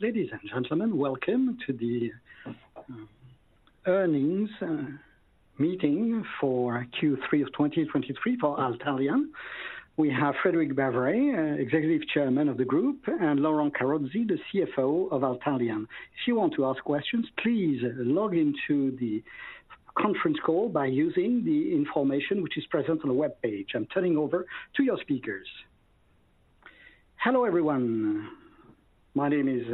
Ladies and gentlemen, welcome to the Earnings Meeting for Q3 of 2023 for Atalian. We have Frédéric Baverez, Executive Chairman of the Group, and Laurent Carozzi, the CFO of Atalian. If you want to ask questions, please log into the conference call by using the information which is present on the webpage. I'm turning over to your speakers. Hello, everyone. My name is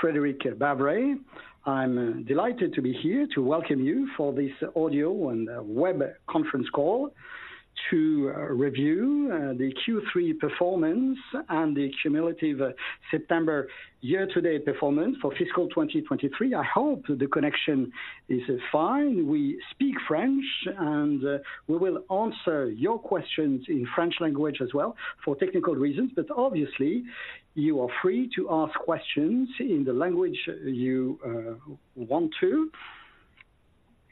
Frédéric Baverez. I'm delighted to be here to welcome you for this Audio and Web Conference Call to review the Q3 performance and the cumulative September year-to-date performance for fiscal 2023. I hope the connection is fine. We speak French, and we will answer your questions in French language as well for technical reasons. But obviously, you are free to ask questions in the language you want to,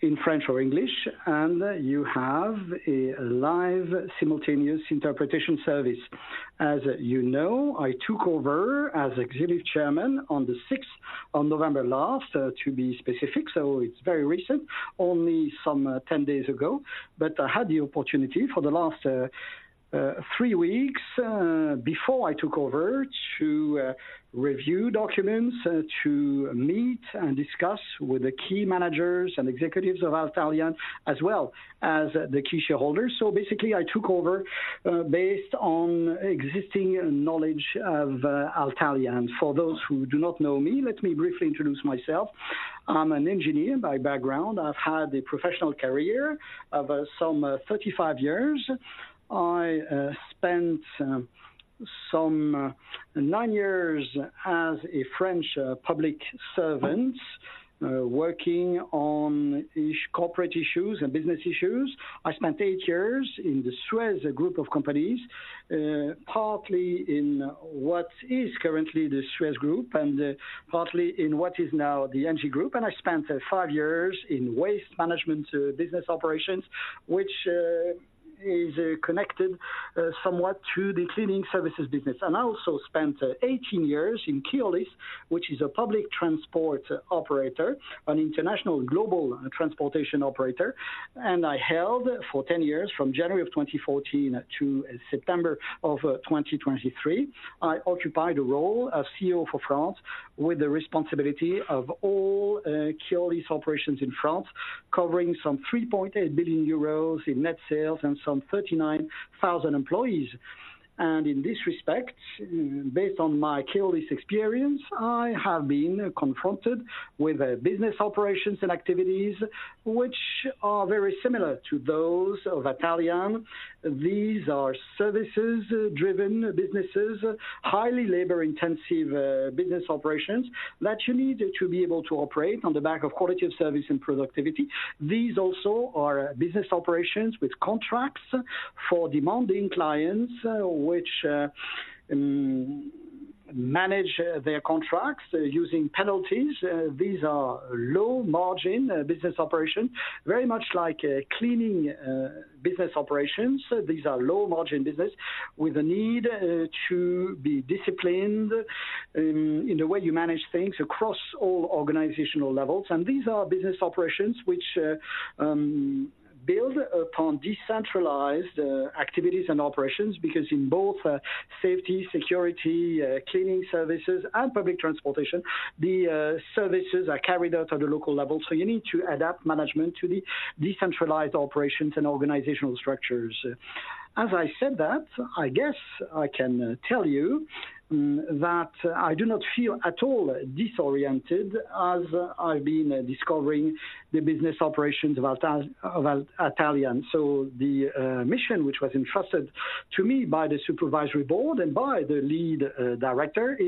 in French or English, and you have a live simultaneous interpretation service. As you know, I took over as Executive Chairman on the 6th of November last, to be specific, so it's very recent, only some 10 days ago. But I had the opportunity for the last 3 weeks, before I took over, to review documents, to meet and discuss with the key managers and executives of Atalian, as well as the key shareholders. So basically, I took over based on existing knowledge of Atalian. For those who do not know me, let me briefly introduce myself. I'm an engineer by background. I've had a professional career of some 35 years. I spent some 9 years as a French public servant, working on corporate issues and business issues. I spent 8 years in the SUEZ Group of companies, partly in what is currently the SUEZ Group and partly in what is now the ENGIE Group. I spent 5 years in waste management business operations, which is connected somewhat to the cleaning services business. I also spent 18 years in Keolis, which is a public transport operator, an international global transportation operator, and I held for 10 years, from January 2014 to September 2023, the role of CEO for France, with the responsibility of all Keolis operations in France, covering some 3.8 billion euros in net sales and some 39,000 employees. In this respect, based on my Keolis experience, I have been confronted with business operations and activities which are very similar to those of Atalian. These are services-driven businesses, highly labor-intensive business operations that you need to be able to operate on the back of quality of service and productivity. These also are business operations with contracts for demanding clients which manage their contracts using penalties. These are low-margin business operation, very much like a cleaning business operations. These are low-margin business with the need to be disciplined in the way you manage things across all organizational levels. These are business operations which build upon decentralized activities and operations, because in both safety, security, cleaning services, and public transportation, the services are carried out at a local level. So you need to adapt management to the decentralized operations and organizational structures. As I said that, I guess I can tell you that I do not feel at all disoriented as I've been discovering the business operations of Atalian. So the mission, which was entrusted to me by the supervisory board and by the lead director,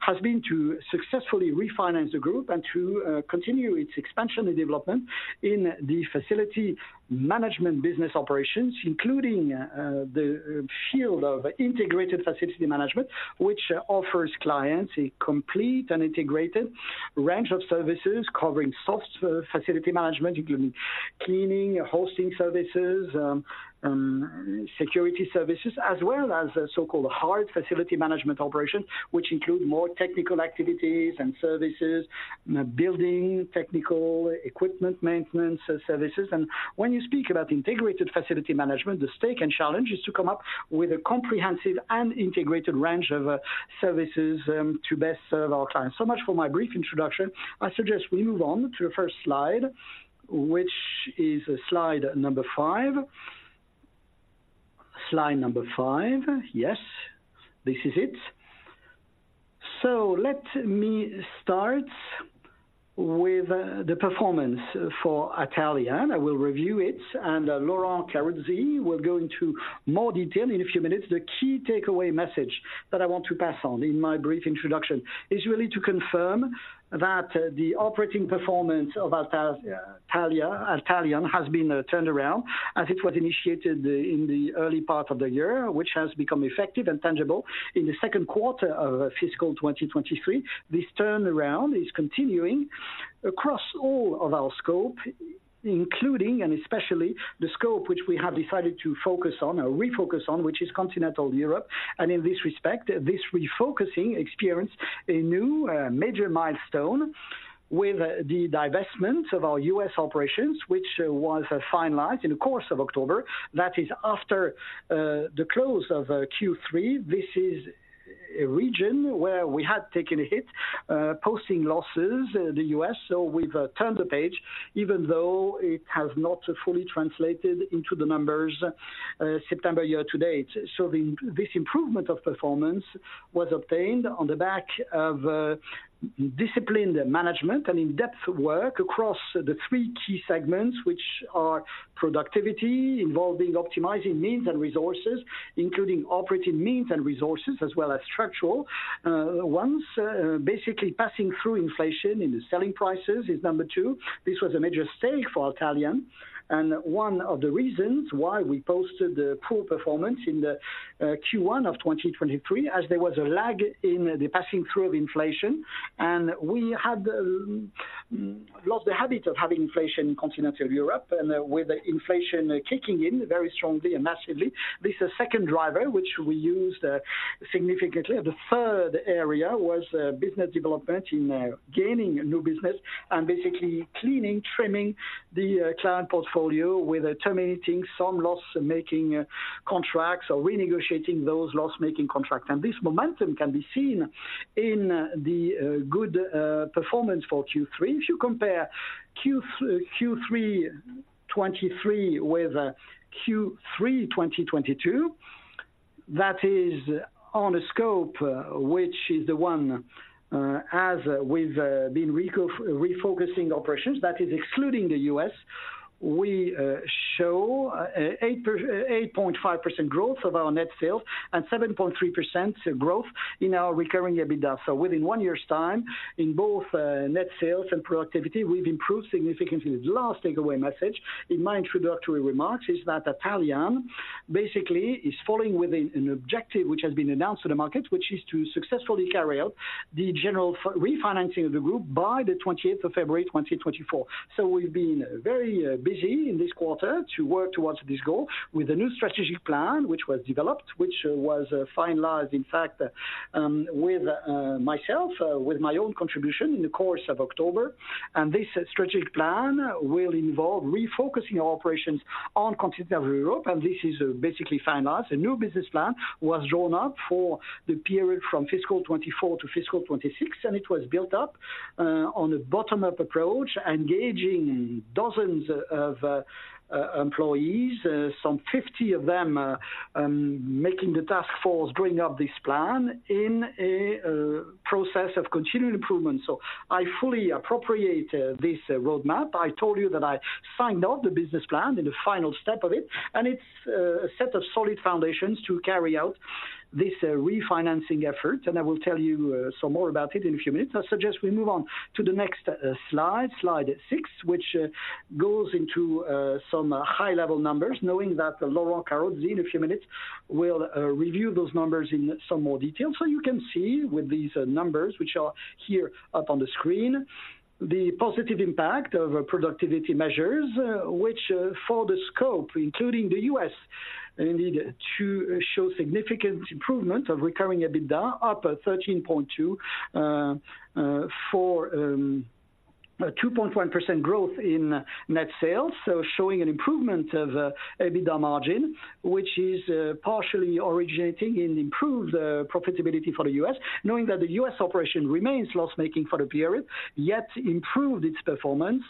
has been to successfully refinance the group and to continue its expansion and development in the facility management business operations, including the field of integrated facility management, which offers clients a complete and integrated range of services covering soft facility management, including cleaning, hosting services, security services, as well as the so-called hard facility management operations, which include more technical activities and services, building technical equipment maintenance services. When you speak about integrated facility management, the stake and challenge is to come up with a comprehensive and integrated range of services to best serve our clients. So much for my brief introduction. I suggest we move on to the first slide, which is slide number 5. Slide number 5. Yes, this is it. So let me start with the performance for Atalian. I will review it, and Laurent Carozzi will go into more detail in a few minutes. The key takeaway message that I want to pass on in my brief introduction is really to confirm that the operating performance of Atalian has been turned around as it was initiated in the early part of the year, which has become effective and tangible in the second quarter of fiscal 2023. This turnaround is continuing across all of our scope, including, and especially the scope which we have decided to focus on or refocus on, which is Continental Europe. In this respect, this refocusing experienced a new major milestone with the divestment of our U.S. operations, which was finalized in the course of October. That is after the close of Q3. This is a region where we had taken a hit, posting losses in the U.S. So we've turned the page, even though it has not fully translated into the numbers, September year-to-date. So this improvement of performance was obtained on the back of disciplined management and in-depth work across the three key segments, which are productivity, involving optimizing means and resources, including operating means and resources, as well as structural. Basically passing through inflation in the selling prices is number two. This was a major stake for Atalian, and one of the reasons why we posted the poor performance in the Q1 of 2023, as there was a lag in the passing through of inflation. And we had lost the habit of having inflation in Continental Europe, and with inflation kicking in very strongly and massively, this is second driver, which we used significantly. The third area was business development in gaining new business and basically cleaning, trimming the client portfolio with terminating some loss-making contracts or renegotiating those loss-making contracts. And this momentum can be seen in the good performance for Q3. If you compare Q3 2023 with Q3 2022, that is on a scope which is the one as with the refocusing operations, that is excluding the U.S., we show 8.5% growth of our net sales and 7.3% growth in our recurring EBITDA. So within one year's time, in both net sales and productivity, we've improved significantly. The last takeaway message in my introductory remarks is that Atalian basically is falling within an objective which has been announced to the market, which is to successfully carry out the general refinancing of the group by the twentieth of February 2024. So we've been very busy in this quarter to work towards this goal with a new strategic plan, which was developed, which was finalized, in fact, with myself, with my own contribution in the course of October. This strategic plan will involve refocusing our operations on Continental Europe, and this is basically finalized. A new business plan was drawn up for the period from fiscal 2024 to fiscal 2026, and it was built up on a bottom-up approach, engaging dozens of employees, some 50 of them, making the task force, drawing up this plan in a process of continual improvement. I fully appreciate this roadmap. I told you that I signed off the business plan in the final step of it, and it's a set of solid foundations to carry out this refinancing effort, and I will tell you some more about it in a few minutes. I suggest we move on to the next slide, slide 6, which goes into some high-level numbers, knowing that Laurent Carozzi in a few minutes will review those numbers in some more detail. So you can see with these numbers, which are here up on the screen, the positive impact of productivity measures, which for the scope, including the U.S., indeed, to show significant improvement of Recurring EBITDA, up 13.2 for a 2.1% growth in net sales. So showing an improvement of EBITDA margin, which is partially originating in improved profitability for the U.S., knowing that the U.S. operation remains loss-making for the period, yet improved its performance.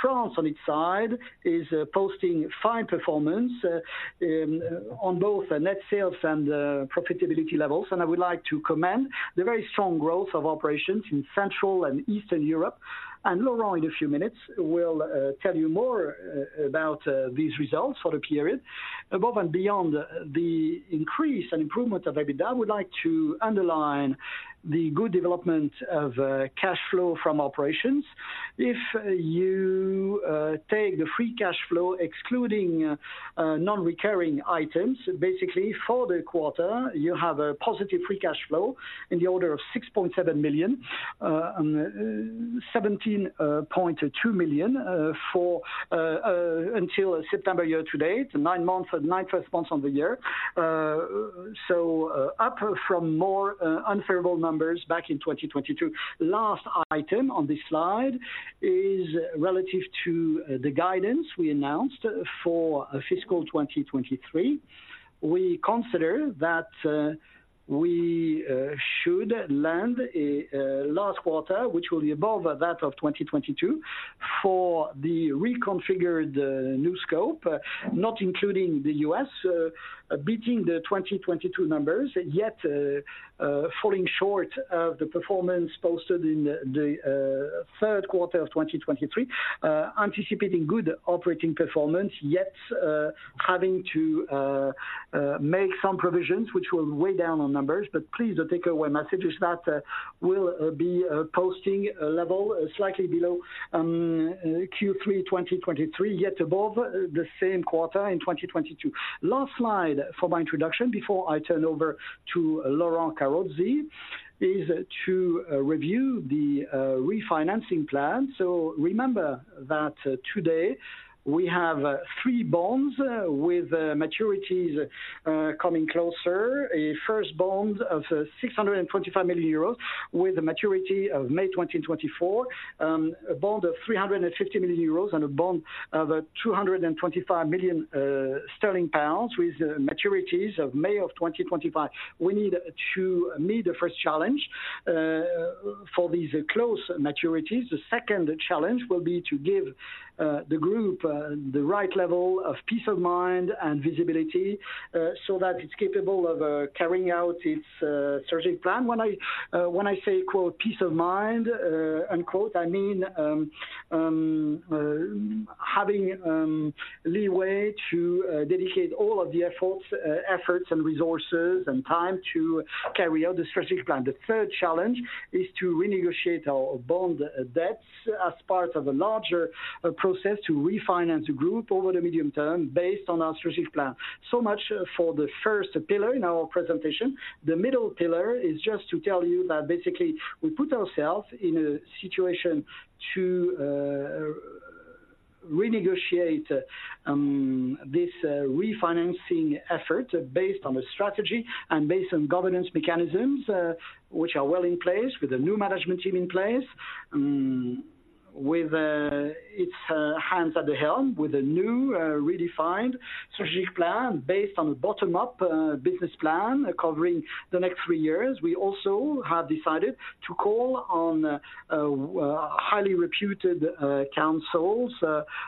France, on its side, is posting fine performance on both the net sales and profitability levels. I would like to commend the very strong growth of operations in Central and Eastern Europe. Laurent, in a few minutes, will tell you more about these results for the period. Above and beyond the increase and improvement of EBITDA, I would like to underline the good development of cash flow from operations. If you take the free cash flow, excluding non-recurring items, basically for the quarter, you have a positive free cash flow in the order of 6.7 million, and 17.2 million for up until September year to date, nine months, the first nine months of the year. So up from more unfavorable numbers back in 2022. Last item on this slide is relative to the guidance we announced for fiscal 2023. We consider that we should land a last quarter, which will be above that of 2022 for the reconfigured new scope, not including the U.S., beating the 2022 numbers, yet falling short of the performance posted in the third quarter of 2023. Anticipating good operating performance, yet having to make some provisions, which will weigh down on numbers. But please, the takeaway message is that we'll be posting a level slightly below Q3 2023, yet above the same quarter in 2022. Last slide for my introduction before I turn over to Laurent Carozzi is to review the refinancing plan. So remember that today we have three bonds with maturities coming closer. A first bond of 625 million euros, with a maturity of May 2024, a bond of 350 million euros, and a bond of 225 million sterling, with maturities of May 2025. We need to meet the first challenge for these close maturities. The second challenge will be to give the group the right level of peace of mind and visibility so that it's capable of carrying out its strategic plan. When I when I say, quote, "peace of mind," unquote, I mean having leeway to dedicate all of the efforts efforts and resources and time to carry out the strategic plan. The third challenge is to renegotiate our bond debts as part of a larger process to refinance the group over the medium term, based on our strategic plan. So much for the first pillar in our presentation. The middle pillar is just to tell you that basically we put ourselves in a situation to renegotiate this refinancing effort based on the strategy and based on governance mechanisms which are well in place with the new management team in place. With its hands at the helm, with a new redefined strategic plan based on a bottom-up business plan covering the next three years. We also have decided to call on highly reputed counsels,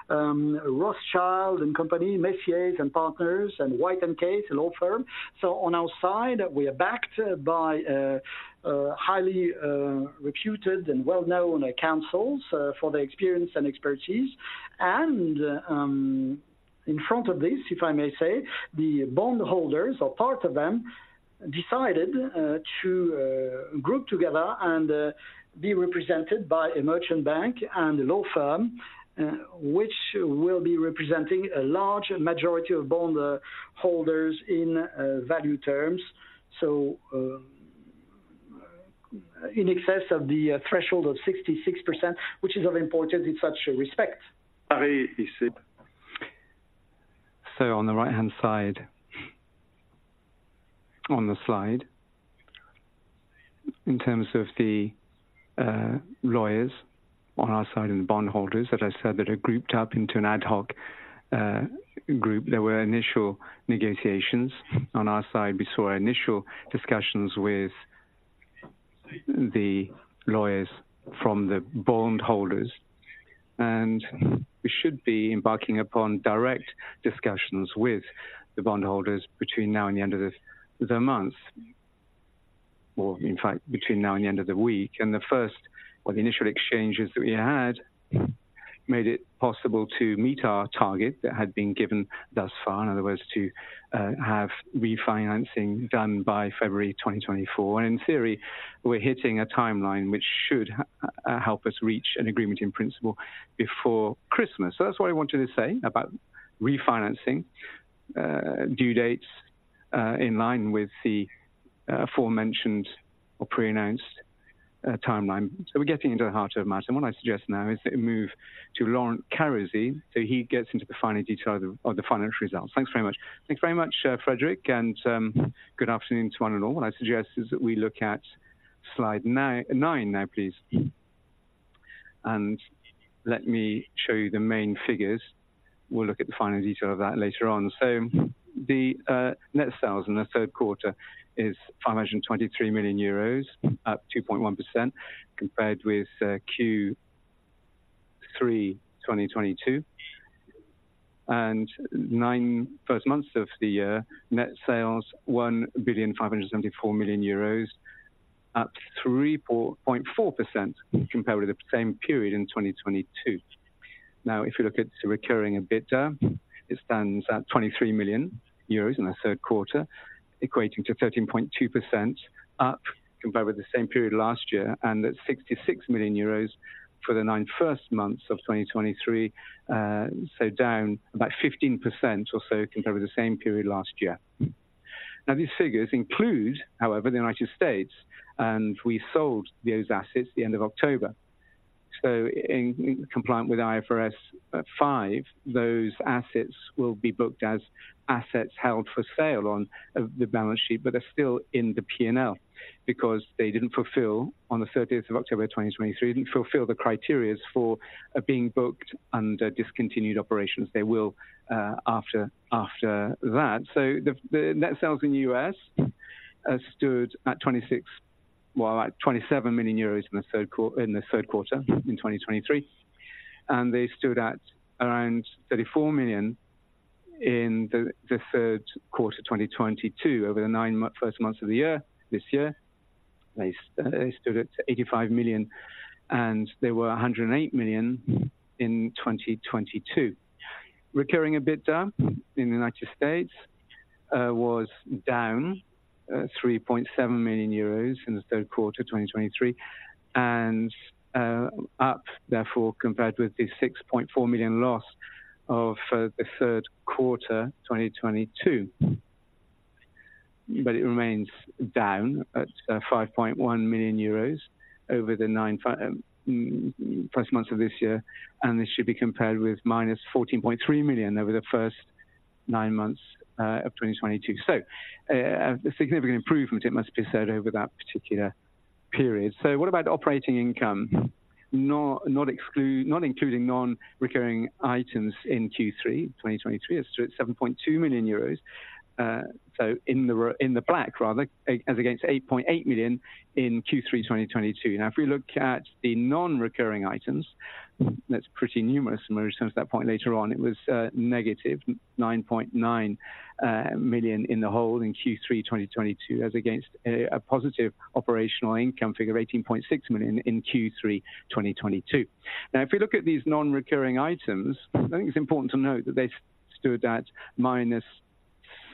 Rothschild & Co, Messier & Associés, and White & Case law firm. So on our side, we are backed by highly reputed and well-known counsels for their experience and expertise. In front of this, if I may say, the bondholders or part of them decided to group together and be represented by a merchant bank and a law firm, which will be representing a large majority of bondholders in value terms. So, in excess of the threshold of 66%, which is of importance in such a respect. So on the right-hand side, on the slide, in terms of the lawyers on our side and the bondholders that I said that are grouped up into an ad hoc group, there were initial negotiations. On our side, we saw initial discussions with the lawyers from the bondholders, and we should be embarking upon direct discussions with the bondholders between now and the end of the month, or in fact, between now and the end of the week. And the first or the initial exchanges that we had made it possible to meet our target that had been given thus far, in other words, to have refinancing done by February 2024. And in theory, we're hitting a timeline which should help us reach an agreement in principle before Christmas. So that's what I wanted to say about refinancing, due dates, in line with the aforementioned or pre-announced timeline. So we're getting into the heart of the matter. What I suggest now is that we move to Laurent Carozzi, so he gets into the finer detail of the financial results. Thanks very much. Thanks very much, Frédéric, and good afternoon to one and all. What I suggest is that we look at slide nine, nine now, please. And let me show you the main figures. We'll look at the finer detail of that later on. So the net sales in the third quarter is 523 million euros, up 2.1%, compared with Q3 2022. In the first nine months of the year, net sales 1,574 million euros, up 3.4% compared with the same period in 2022. Now, if you look at the recurring EBITDA, it stands at 23 million euros in the third quarter, equating to 13.2%, up compared with the same period last year, and at 66 million euros for the first nine months of 2023, so down about 15% or so compared with the same period last year. Now, these figures include, however, the United States, and we sold those assets at the end of October. So in compliance with IFRS 5, those assets will be booked as assets held for sale on the balance sheet, but they're still in the P&L because they didn't fulfill on the 30th of October 2023, they didn't fulfill the criteria for being booked under discontinued operations. They will after that. So the net sales in the U.S. stood at like 27 million euros in the third quarter in 2023, and they stood at around 34 million EUR in the third quarter 2022. Over the nine month first months of the year, this year, they stood at 85 million EUR, and they were 108 million EUR in 2022. Recurring EBITDA in the United States was down 3.7 million euros in the third quarter 2023, and up therefore, compared with the 6.4 million loss of the third quarter 2022. But it remains down at 5.1 million euros over the first nine months of this year, and this should be compared with -14.3 million over the first nine months of 2022. So, a significant improvement, it must be said, over that particular period. So what about operating income? Not including non-recurring items in Q3 2023, it stood at 7.2 million euros. So in the black, rather, as against 8.8 million in Q3 2022. Now, if we look at the non-recurring items, that's pretty numerous, and we'll return to that point later on. It was negative 9.9 million in the whole in Q3 2022, as against a positive operational income figure of 18.6 million in Q3 2022. Now, if you look at these non-recurring items, I think it's important to note that they stood at minus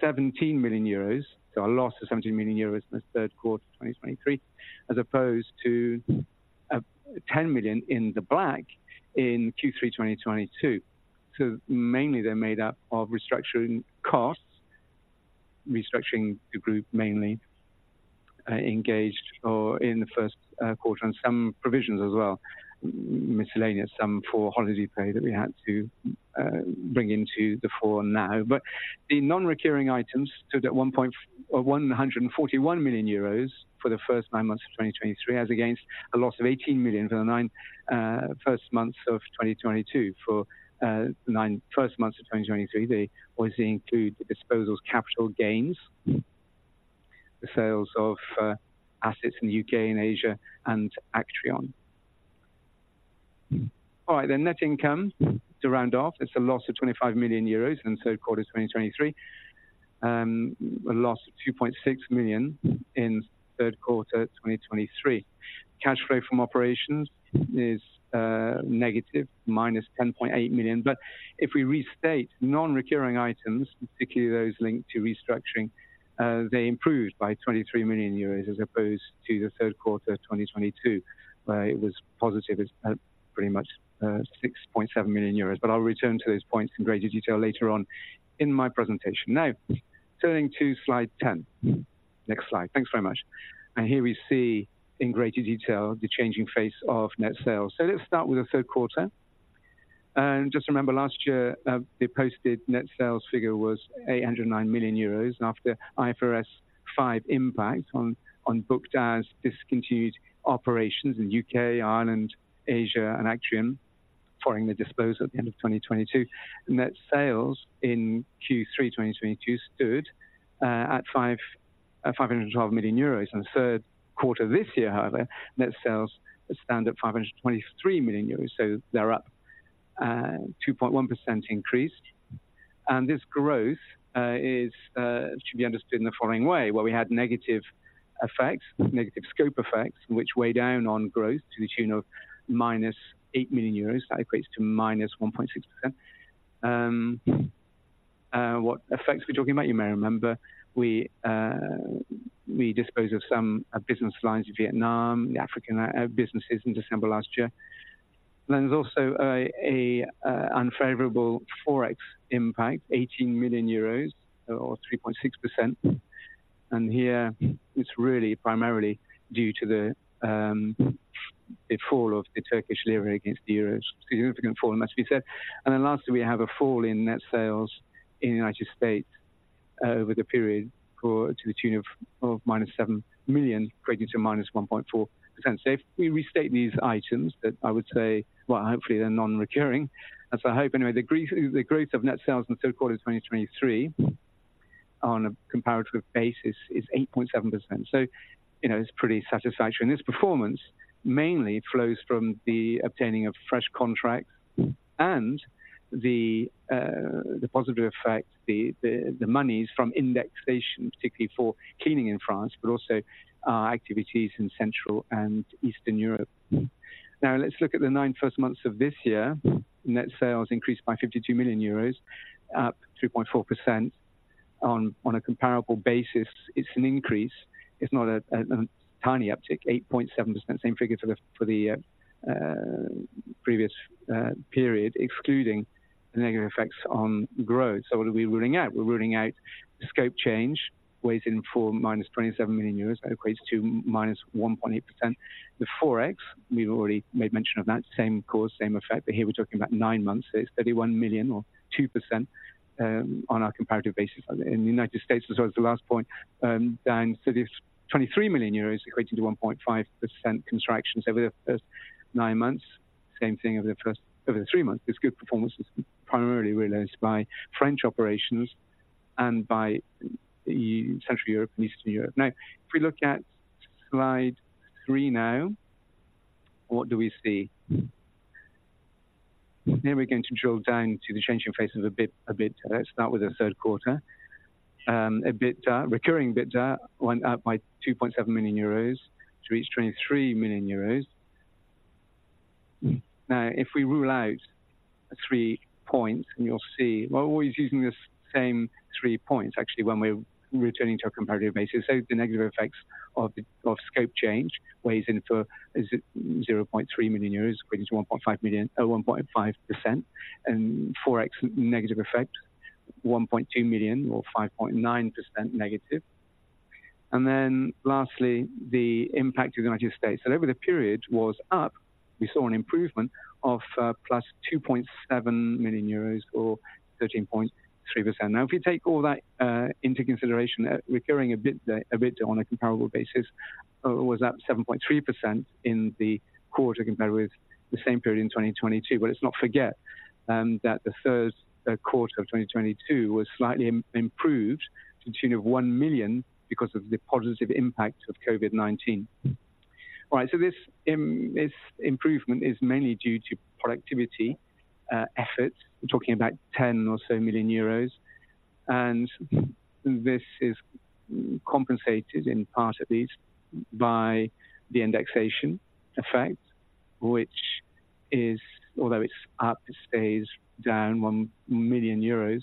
17 million euros, so a loss of 17 million euros in the third quarter of 2023, as opposed to 10 million in the black in Q3 2022. So mainly, they're made up of restructuring costs, restructuring the group mainly, engaged or in the first quarter, and some provisions as well, miscellaneous, some for holiday pay that we had to bring into the fore now. But the non-recurring items stood at 1.0, one hundred and forty-one million euros for the first nine months of 2023, as against a loss of 18 million for the nine first months of 2022. For nine first months of 2023, they obviously include the disposals capital gains, the sales of assets in the UK and Asia, and Aktrion. All right, then net income, to round off, it's a loss of 25 million euros in the third quarter of 2023, a loss of 2.6 million in third quarter, 2023. Cash flow from operations is negative, minus 10.8 million. But if we restate non-recurring items, particularly those linked to restructuring, they improved by 23 million euros as opposed to the third quarter of 2022, where it was positive; it's at pretty much 6.7 million euros. But I'll return to those points in greater detail later on in my presentation. Now, turning to slide 10. Next slide. Thanks very much. Here we see in greater detail the changing face of net sales. Let's start with the third quarter. Just remember, last year they posted net sales figure was 809 million euros, and after IFRS 5 impact on booked as discontinued operations in UK, Ireland, Asia, and Aktrion, following the disposal at the end of 2022. Net sales in Q3 2022 stood at 512 million euros. In the third quarter this year, however, net sales stand at 523 million euros, so they're up 2.1% increase. And this growth is to be understood in the following way. Where we had negative effects, negative scope effects, which weigh down on growth to the tune of -8 million euros. That equates to -1.6%. What effects are we talking about? You may remember, we disposed of some business lines in Vietnam, the African businesses in December last year. Then there's also an unfavorable Forex impact, 18 million euros or 3.6%. And here, it's really primarily due to the fall of the Turkish lira against the euros. Significant fall, it must be said. Then lastly, we have a fall in net sales in the United States over the period to the tune of -7 million, equating to -1.4%. So if we restate these items that I would say, well, hopefully, they're non-recurring, and so I hope, anyway, the growth of net sales in the third quarter of 2023 on a comparative basis is 8.7%. So, you know, it's pretty satisfactory, and this performance mainly flows from the obtaining of fresh contracts and the positive effect, the monies from indexation, particularly for cleaning in France, but also activities in Central and Eastern Europe. Now, let's look at the first nine months of this year. Net sales increased by 52 million euros, up 2.4%. On a comparable basis, it's an increase. It's not a tiny uptick, 8.7%, same figure for the previous period, excluding the negative effects on growth. So what are we ruling out? We're ruling out the scope change, weighs in for -27 million euros, that equates to -1.8%. The Forex, we've already made mention of that, same cause, same effect, but here we're talking about 9 months, so it's -31 million or -2%, on our comparative basis. In the United States, as well as the last point, down to this -23 million euros, equating to 1.5% contraction over the first 9 months. Same thing over the first 3 months. This good performance is primarily realized by French operations and by Central Europe and Eastern Europe. Now, if we look at slide 3 now, what do we see? Now we're going to drill down to the changing faces a bit, a bit. Let's start with the third quarter. EBITDA, recurring EBITDA went up by 2.7 million euros to reach 23 million euros. Now, if we rule out three points, and you'll see, we're always using the same three points, actually, when we're returning to a comparative basis. So the negative effects of the, of scope change weighs in for 0.3 million euros, which is 1.5 million, 1.5%, and Forex negative effect, 1.2 million or 5.9% negative. And then lastly, the impact of the United States. So over the period was up, we saw an improvement of, +2.7 million euros or 13.3%. Now, if you take all that into consideration, recurring EBITDA, EBITDA on a comparable basis, was up 7.3% in the quarter compared with the same period in 2022. But let's not forget that the first quarter of 2022 was slightly improved to the tune of 1 million because of the positive impact of COVID-19. All right. So this improvement is mainly due to productivity efforts. We're talking about 10 million or so, and this is compensated, in part at least, by the indexation effect, which is although it's up, it stays down 1 million euros,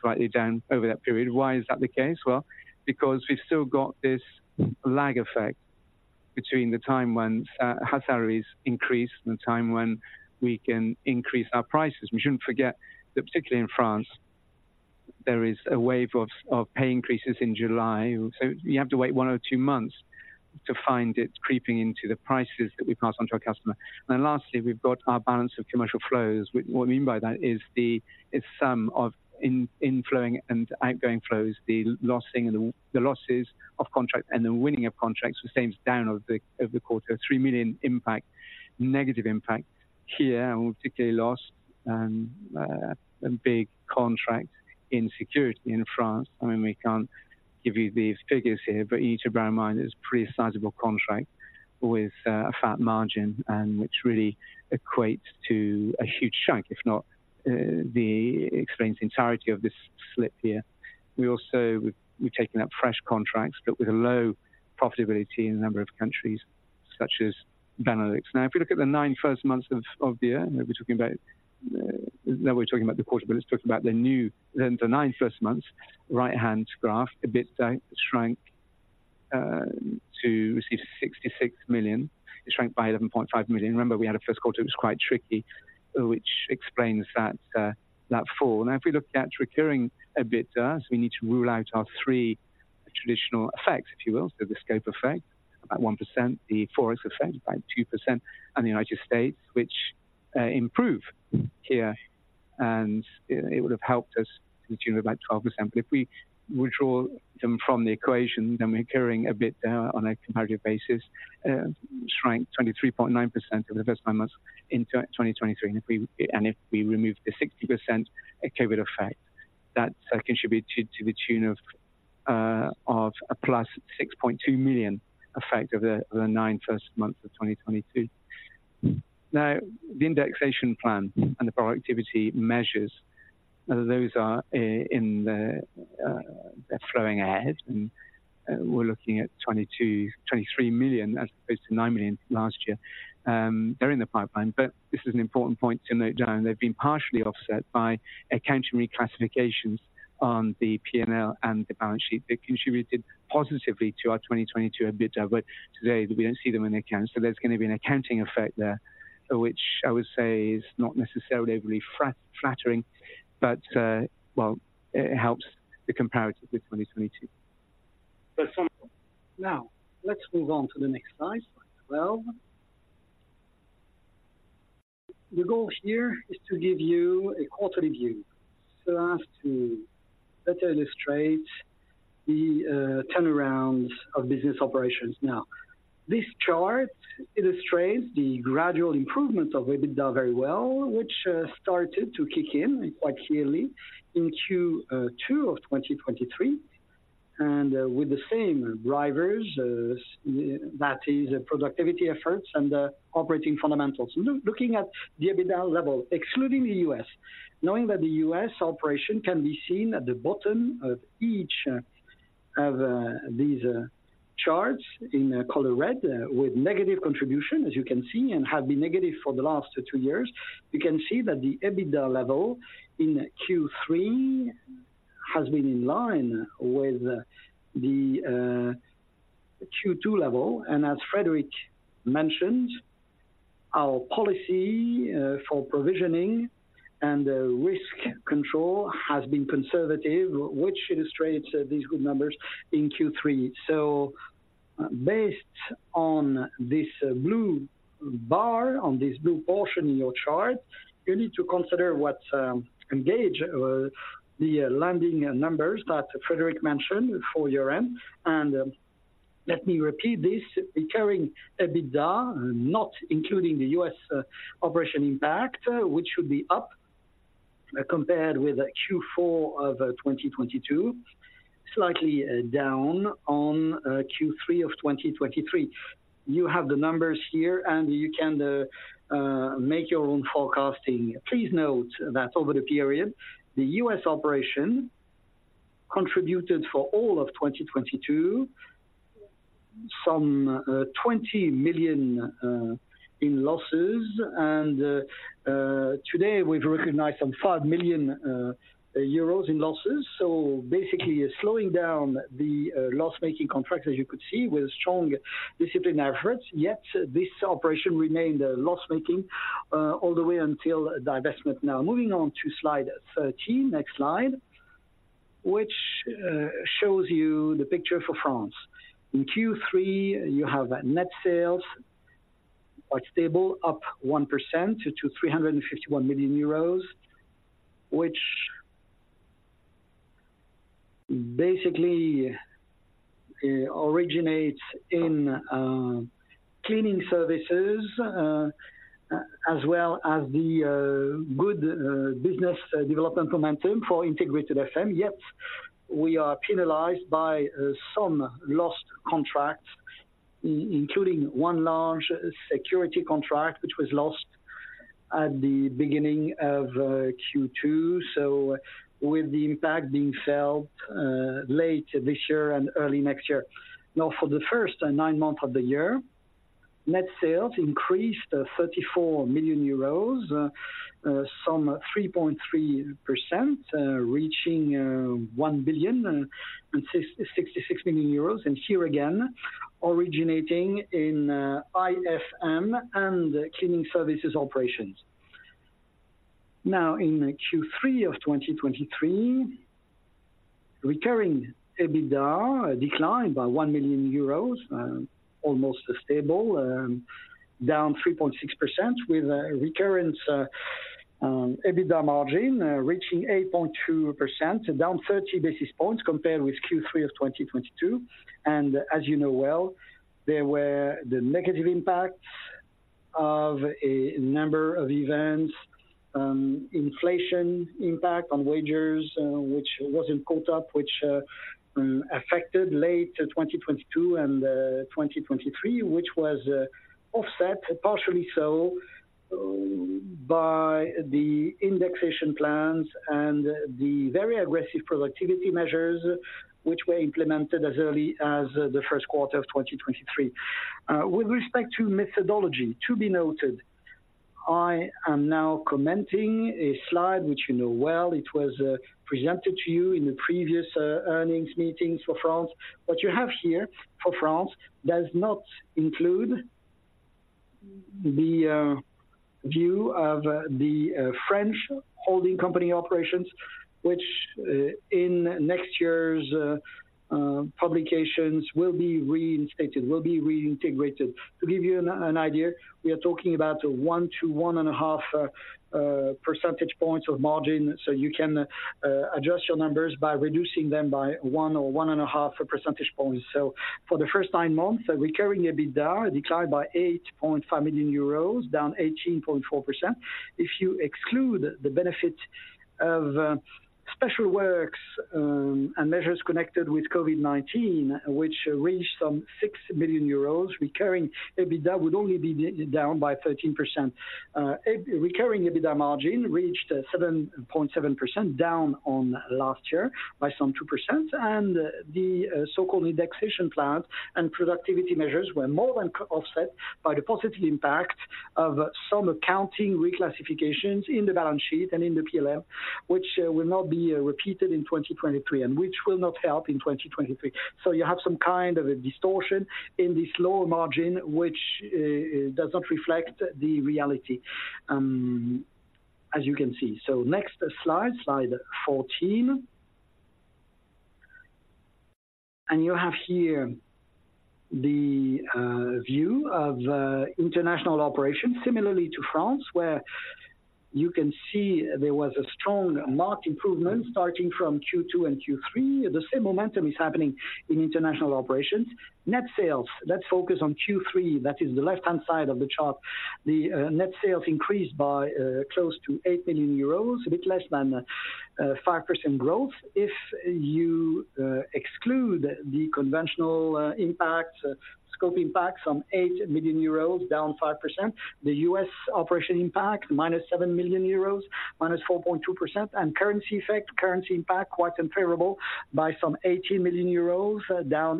slightly down over that period. Why is that the case? Well, because we've still got this lag effect between the time when our salaries increase and the time when we can increase our prices. We shouldn't forget that particularly in France, there is a wave of pay increases in July, so you have to wait one or two months to find it creeping into the prices that we pass on to our customer. And then lastly, we've got our balance of commercial flows. What we mean by that is it's the sum of inflowing and outgoing flows, the losing and the losses of contract and the winning of contracts. The same is down over the quarter, 3 million impact, negative impact here, and we particularly lost a big contract in security in France. I mean, we can't give you these figures here, but you need to bear in mind it's a pretty sizable contract with a fat margin and which really equates to a huge chunk, if not, that explains the entirety of this slip here. We also, we've taken up fresh contracts, but with a low profitability in a number of countries such as Benelux. Now, if you look at the nine first months of the year, and we're talking about. Now we're talking about the quarter, but let's talk about the new, the nine first months, right-hand graph, EBITDA shrank to 66 million. It shrank by 11.5 million. Remember, we had a first quarter that was quite tricky, which explains that fall. Now, if we look at recurring EBITDA, so we need to rule out our three traditional effects, if you will. So the scope effect, about 1%, the Forex effect by 2%, and the United States, which improved here, and it would have helped us to the tune of about 12%. But if we withdraw them from the equation, then we're carrying EBITDA on a comparative basis, shrank 23.9% over the first nine months in 2023. And if we remove the 60% COVID effect, that contributed to the tune of a +6.2 million effect over the first nine months of 2022. Now, the indexation plan and the productivity measures, those are in the they're flowing ahead, and we're looking at 22-23 million as opposed to 9 million last year. They're in the pipeline, but this is an important point to note down. They've been partially offset by accounting reclassifications on the P&L and the balance sheet that contributed positively to our 2022 EBITDA, but today we don't see them in the accounts. So there's gonna be an accounting effect there, which I would say is not necessarily very flattering, but well, it helps the comparative with 2022. Now, let's move on to the next slide, slide 12. The goal here is to give you a quarterly view so as to better illustrate the turnarounds of business operations. Now, this chart illustrates the gradual improvements of EBITDA very well, which started to kick in quite clearly in Q2 of 2023, and with the same drivers, that is the productivity efforts and the operating fundamentals. Looking at the EBITDA level, excluding the U.S., knowing that the U.S. operation can be seen at the bottom of each of these charts in color red, with negative contribution, as you can see, and have been negative for the last two years. You can see that the EBITDA level in Q3 has been in line with the Q2 level, and as Frédéric mentioned, our policy for provisioning and risk control has been conservative, which illustrates these good numbers in Q3. So based on this, blue bar, on this blue portion in your chart, you need to consider what, ENGIE, the landing numbers that Frédéric mentioned for year-end, and Let me repeat this. Recurring EBITDA, not including the U.S. operation impact, which should be up compared with Q4 of 2022, slightly down on Q3 of 2023. You have the numbers here, and you can make your own forecasting. Please note that over the period, the US operation contributed for all of 2022, some 20 million in losses, and today we've recognized some 5 million euros in losses. So basically, slowing down the loss-making contract, as you could see, with strong discipline efforts, yet this operation remained loss-making all the way until divestment. Now, moving on to slide 13. Next slide, which shows you the picture for France. In Q3, you have net sales quite stable, up 1% to 351 million euros, which basically originates in cleaning services as well as the good business development momentum for integrated FM. Yet we are penalized by some lost contracts, including one large security contract, which was lost at the beginning of Q2, so with the impact being felt late this year and early next year. Now, for the first nine months of the year, net sales increased 34 million euros, some 3.3%, reaching one billion and 66 million euros, and here again, originating in IFM and cleaning services operations. Now, in Q3 of 2023, recurring EBITDA declined by 1 million euros, almost stable, down 3.6%, with a recurring EBITDA margin reaching 8.2%, down 30 basis points compared with Q3 of 2022. As you know well, there were the negative impacts of a number of events, inflation impact on wages, which wasn't caught up, which affected late 2022 and 2023, which was offset, partially so, by the indexation plans and the very aggressive productivity measures, which were implemented as early as the first quarter of 2023. With respect to methodology, to be noted, I am now commenting a slide, which you know well. It was presented to you in the previous earnings meetings for France. What you have here for France does not include the view of the French holding company operations, which in next year's publications, will be reinstated, will be reintegrated. To give you an idea, we are talking about 1-1.5 percentage points of margin, so you can adjust your numbers by reducing them by 1 or 1.5 percentage points. So for the first nine months, recurring EBITDA declined by 8.5 million euros, down 18.4%. If you exclude the benefit of special works and measures connected with COVID-19, which reached some 6 million euros, recurring EBITDA would only be down by 13%. EBITDA, recurring EBITDA margin reached 7.7%, down on last year by some 2%, and the so-called indexation plans and productivity measures were more than offset by the positive impact of some accounting reclassifications in the balance sheet and in the P&L, which will not be repeated in 2023 and which will not help in 2023. So you have some kind of a distortion in this lower margin, which does not reflect the reality, as you can see. So next slide, slide 14. You have here the view of international operations, similarly to France, where you can see there was a strong marked improvement starting from Q2 and Q3. The same momentum is happening in international operations. Net sales, let's focus on Q3. That is the left-hand side of the chart. The net sales increased by close to 8 million euros, a bit less than 5% growth. If you exclude the conventional impact, scope impact, some 8 million euros, down 5%. The U.S. operation impact, -7 million euros, -4.2%, and currency effect, currency impact, quite comparable by some 80 million euros, down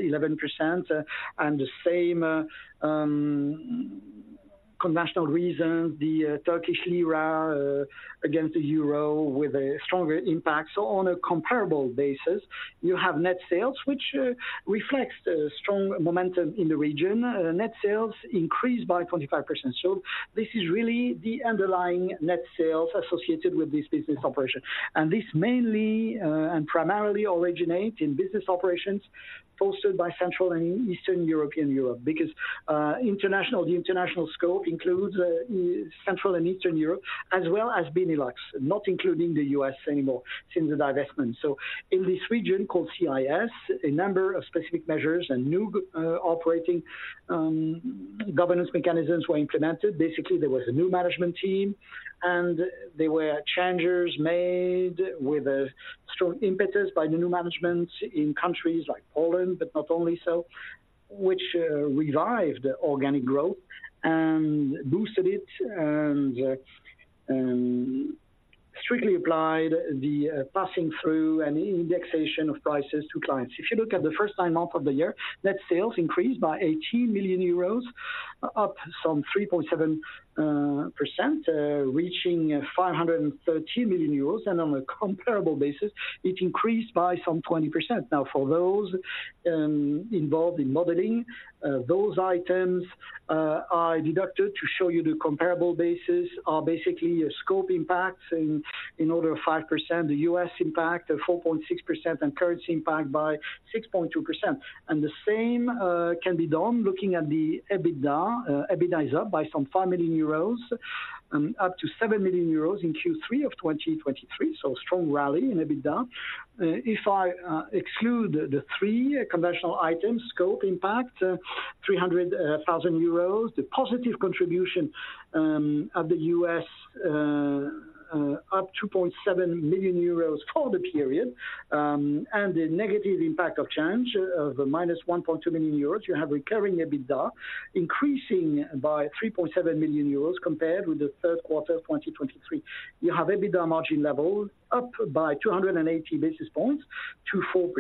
11%. And the same conventional reasons, the Turkish lira against the euro with a stronger impact. So on a comparable basis, you have net sales, which reflects the strong momentum in the region. Net sales increased by 25%. So this is really the underlying net sales associated with this business operation, and this mainly and primarily originate in business operations fostered by Central and Eastern Europe and Europe, because international, the international scope includes Central and Eastern Europe, as well as Benelux, not including the U.S. anymore since the divestment. So in this region, called CIS, a number of specific measures and new operating governance mechanisms were implemented. Basically, there was a new management team, and there were changes made with a strong impetus by the new management in countries like Poland, but not only so, which revived organic growth and boosted it, and strictly applied the passing through and indexation of prices to clients. If you look at the first nine months of the year, net sales increased by 80 million euros, up some 3.7%, reaching 530 million euros, and on a comparable basis, it increased by some 20%. Now, for those involved in modeling, those items are deducted to show you the comparable basis are basically a scope impact in order of 5%, the US impact of 4.6%, and currency impact by 6.2%. And the same can be done looking at the EBITDA. EBITDA is up by some 5 million euros, up to 7 million euros in Q3 of 2023. So strong rally in EBITDA. If I exclude the three conventional items, scope impact, 300,000 euros, the positive contribution at the U.S. up 2.7 million euros for the period, and the negative impact of change of -1.2 million euros, you have recurring EBITDA increasing by 3.7 million euros compared with the third quarter of 2023. You have EBITDA margin level up by 280 basis points to 4%.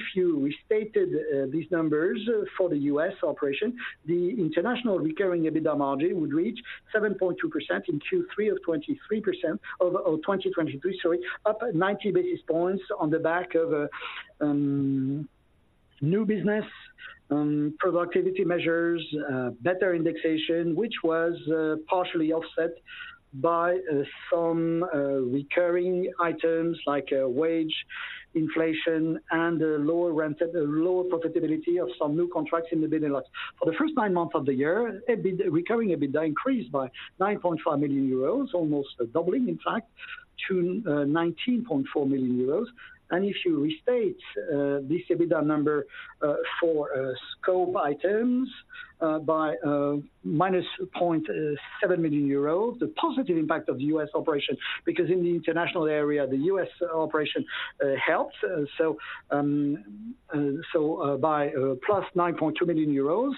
If you restated these numbers for the U.S. operation, the international recurring EBITDA margin would reach 7.2% in Q3 of 2023, sorry, up 90 basis points on the back of new business, productivity measures, better indexation, which was partially offset by some recurring items like wage inflation and lower rent and lower profitability of some new contracts in the bidding lot. For the first 9 months of the year, recurring EBITDA increased by 9.5 million euros, almost doubling, in fact, to 19.4 million euros. If you restate this EBITDA number for scope items by -0.7 million euros, the positive impact of the U.S. operation, because in the international area, the US operation helps. So, by +9.2 million euros,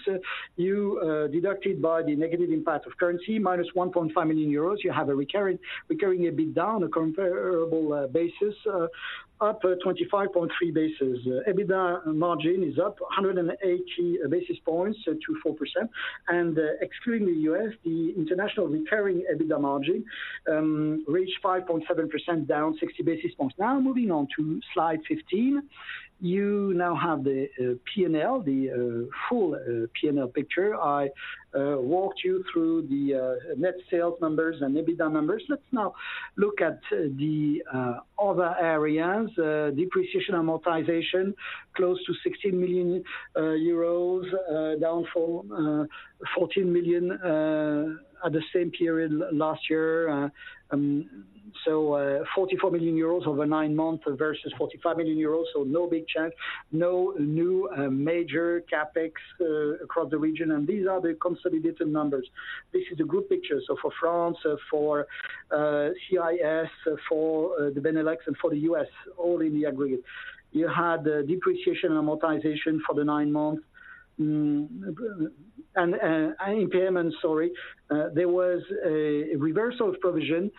you deducted by the negative impact of currency, -1.5 million euros, you have a recurrent, recurring EBITDA, on a comparable basis, up 25.3 basis. EBITDA margin is up 180 basis points to 4%. Excluding the US, the international recurring EBITDA margin reached 5.7%, down 60 basis points. Now, moving on to slide 15, you now have the P&L, the full P&L picture. I walked you through the net sales numbers and EBITDA numbers. Let's now look at the other areas. Depreciation and amortization, close to 16 million euros, down from 14 million at the same period last year. So, 44 million euros over 9 months versus 45 million euros, so no big change, no new major CapEx across the region, and these are the consolidated numbers. This is a good picture. So for France, for CIS, for the Benelux and for the U.S., all in the aggregate, you had the depreciation and amortization for the 9 months, and impairment, sorry. There was a reversal of provision,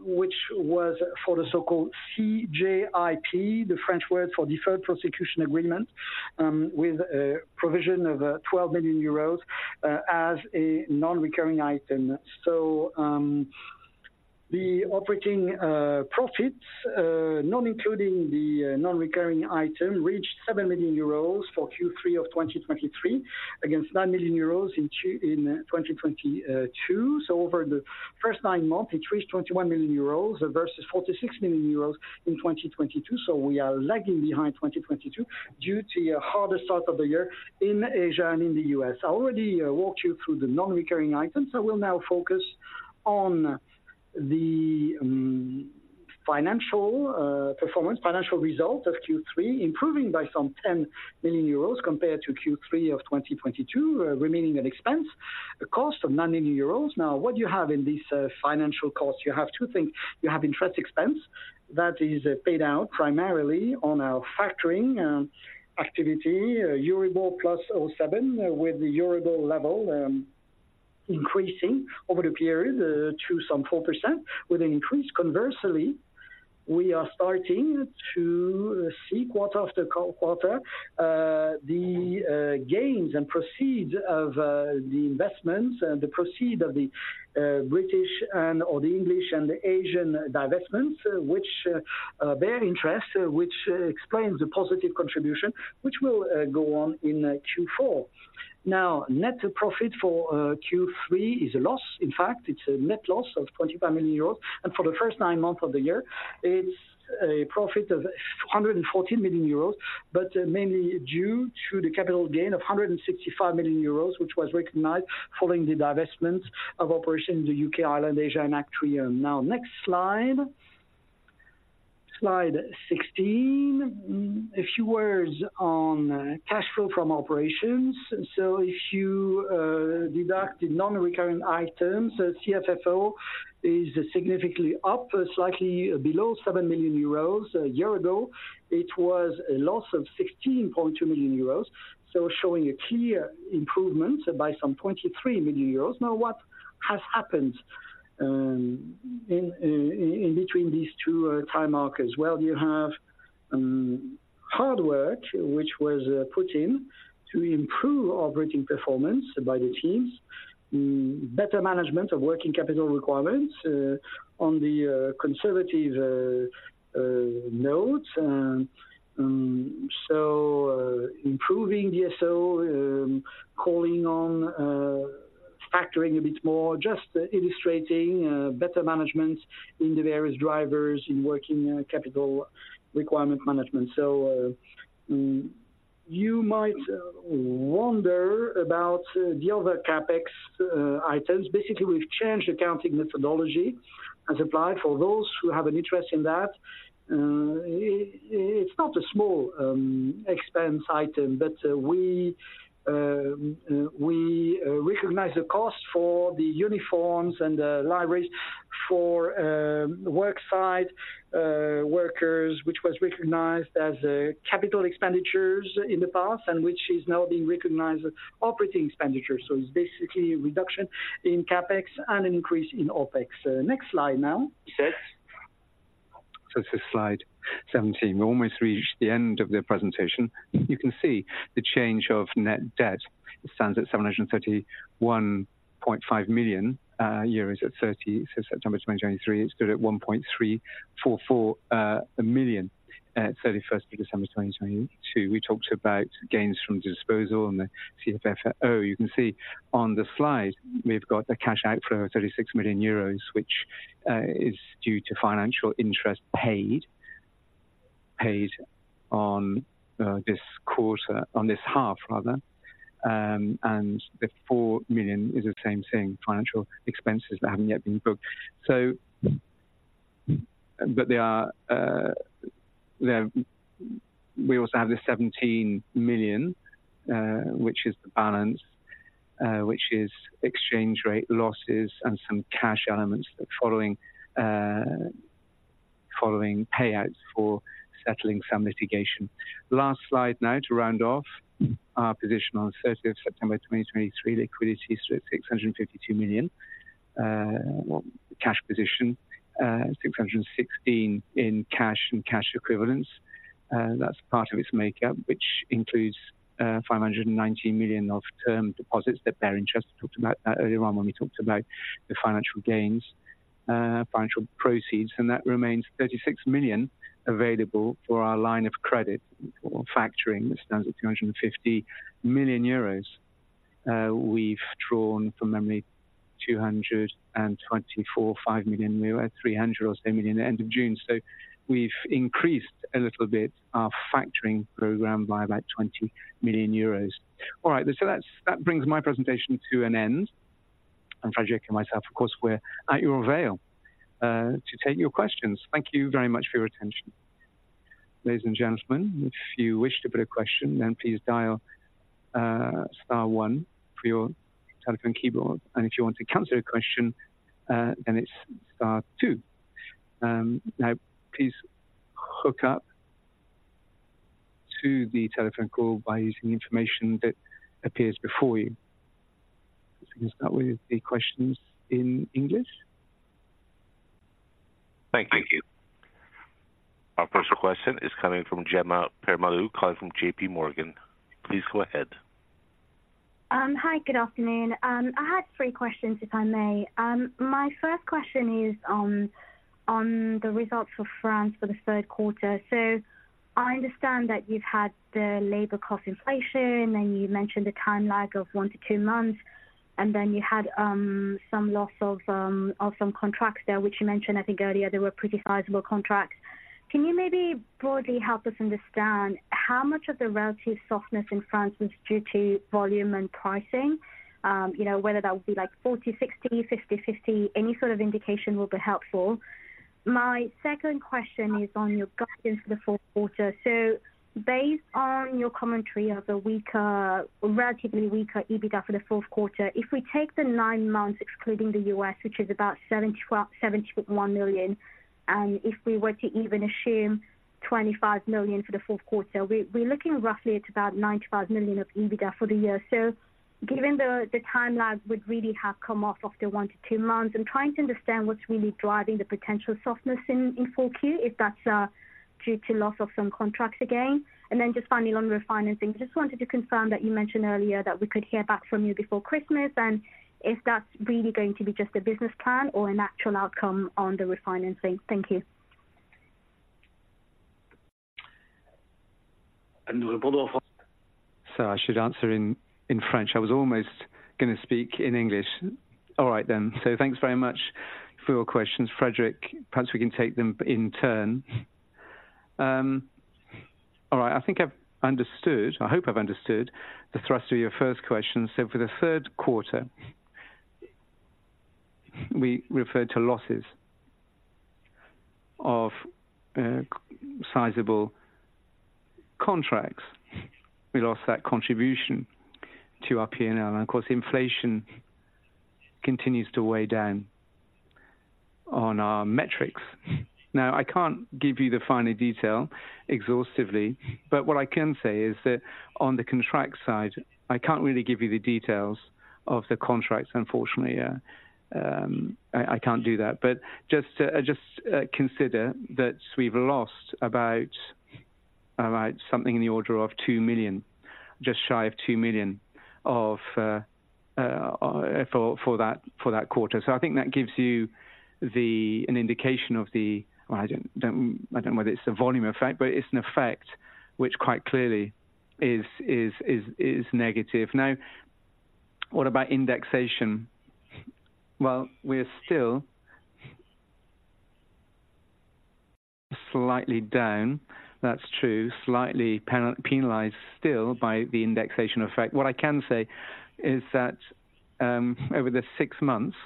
which was for the so-called CJIP, the French word for Deferred Prosecution Agreement, with a provision of 12 million euros as a non-recurring item. So, the operating profits not including the non-recurring item reached 7 million euros for Q3 of 2023, against 9 million euros in 2022. So over the first nine months, it reached 21 million euros versus 46 million euros in 2022. So we are lagging behind 2022 due to a harder start of the year in Asia and in the U.S. I already walked you through the non-recurring items, so we'll now focus on the financial performance, financial results of Q3, improving by some 10 million euros compared to Q3 of 2022, remaining an expense, a cost of 9 million euros. Now, what you have in this financial cost? You have two things. You have interest expense that is paid out primarily on our factoring activity, Euribor plus 0.7, with the Euribor level increasing over the period to some 4%. With the increase, conversely, we are starting to see quarter after quarter, the gains and proceeds of the investments and the proceeds of the British and/or the English and the Asian divestments, which bear interest, which explains the positive contribution, which will go on in Q4. Now, net profit for Q3 is a loss. In fact, it's a net loss of 25 million euros, and for the first nine months of the year, it's a profit of 114 million euros, but mainly due to the capital gain of 165 million euros, which was recognized following the divestment of operations in the U.K., Ireland, Asia, and Aktrion. Now, next slide. Slide 16, a few words on cash flow from operations. So if you deduct the non-recurring items, so CFFO is significantly up, slightly below 7 million euros. A year ago, it was a loss of 16.2 million euros. So showing a clear improvement by some 23 million euros. Now, what has happened in between these two time markers? Well, you have hard work, which was put in to improve operating performance by the teams, better management of working capital requirements on the conservative notes. And so improving the SO calling on factoring a bit more, just illustrating better management in the various drivers in working capital requirement management. So you might wonder about the other CapEx items. Basically, we've changed accounting methodology as applied for those who have an interest in that. It's not a small expense item, but we recognize the cost for the uniforms and the livery for worksite workers, which was recognized as capital expenditures in the past, and which is now being recognized as operating expenditures. So it's basically a reduction in CapEx and an increase in OpEx. Next slide now. Thanks. So this is slide 17. We almost reached the end of the presentation. You can see the change of net debt. It stands at 731.5 million euros at 30 September 2023. It stood at 1.344 million at 31 December 2022. We talked about gains from disposal and the CFFO. You can see on the slide, we've got a cash outflow of 36 million euros, which is due to financial interest paid, paid on this quarter, on this half, rather. And the 4 million is the same thing, financial expenses that haven't yet been booked. So, but there are. We also have the 17 million, which is the balance, which is exchange rate losses and some cash elements following payouts for settling some litigation. Last slide now to round off our position on the 30th September 2023, liquidity is at 652 million. Well, cash position, 616 million in cash and cash equivalents. That's part of its makeup, which includes, 519 million of term deposits that bear interest. We talked about that earlier on when we talked about the financial gains, financial proceeds, and that remains 36 million available for our line of credit or factoring, which stands at 250 million euros. We've drawn, from memory, 224.5 million, we were at 300 million or so at the end of June. So we've increased a little bit our factoring program by about 20 million euros. All right, that brings my presentation to an end, and Frédéric and myself, of course, we're at your avail to take your questions. Thank you very much for your attention. Ladies and gentlemen, if you wish to put a question, then please dial star one for your telephone keyboard, and if you want to cancel a question, then it's star two. Now, please hook up to the telephone call by using the information that appears before you. We can start with the questions in English. Thank you. Our first question is coming from Jemma Permalloo, calling from J.P. Morgan. Please go ahead. Hi, good afternoon. I had three questions, if I may. My first question is on the results for France for the third quarter. So I understand that you've had the labor cost inflation, and you mentioned the time lag of 1-2 months, and then you had some loss of some contracts there, which you mentioned, I think earlier, they were pretty sizable contracts. Can you maybe broadly help us understand how much of the relative softness in France was due to volume and pricing? You know, whether that would be like 40, 60, 50/50, any sort of indication will be helpful. My second question is on your guidance for the fourth quarter. So based on your commentary of the weaker, relatively weaker, EBITDA for the fourth quarter, if we take the nine months, excluding the U.S., which is about 71 million, and if we were to even assume 25 million for the fourth quarter, we're looking roughly at about 95 million of EBITDA for the year. So given the time lag would really have come off after 1-2 months. I'm trying to understand what's really driving the potential softness in Q4, if that's due to loss of some contracts again. And then just finally on refinancing. Just wanted to confirm that you mentioned earlier that we could hear back from you before Christmas, and if that's really going to be just a business plan or an actual outcome on the refinancing. Thank you. So I should answer in French. I was almost gonna speak in English. All right then. So thanks very much for your questions. Frédéric, perhaps we can take them in turn. All right, I think I've understood. I hope I've understood the thrust of your first question. So for the third quarter we referred to losses of sizable contracts. We lost that contribution to our P&L, and of course, inflation continues to weigh down on our metrics. Now, I can't give you the finer detail exhaustively, but what I can say is that on the contract side, I can't really give you the details of the contracts, unfortunately. Yeah, I can't do that. But just to consider that we've lost about something in the order of 2 million, just shy of 2 million for that quarter. So I think that gives you an indication of the well, I don't know whether it's a volume effect, but it's an effect which quite clearly is negative. Now, what about indexation? Well, we're still slightly down. That's true. Slightly penalized still by the indexation effect. What I can say is that, over the six months,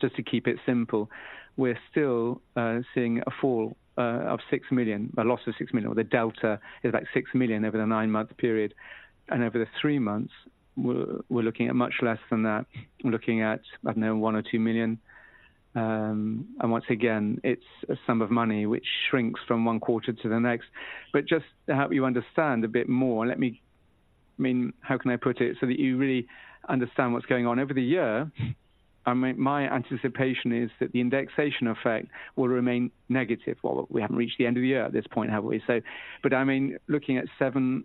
just to keep it simple, we're still seeing a fall of 6 million, a loss of 6 million, or the delta is about 6 million over the nine-month period, and over the three months, we're looking at much less than that. We're looking at, I don't know, 1 million or 2 million. And once again, it's a sum of money which shrinks from one quarter to the next. But just to help you understand a bit more, let me, I mean, how can I put it so that you really understand what's going on? Over the year, I mean, my anticipation is that the indexation effect will remain negative. Well, we haven't reached the end of the year at this point, have we? So, but I mean, looking at 7-8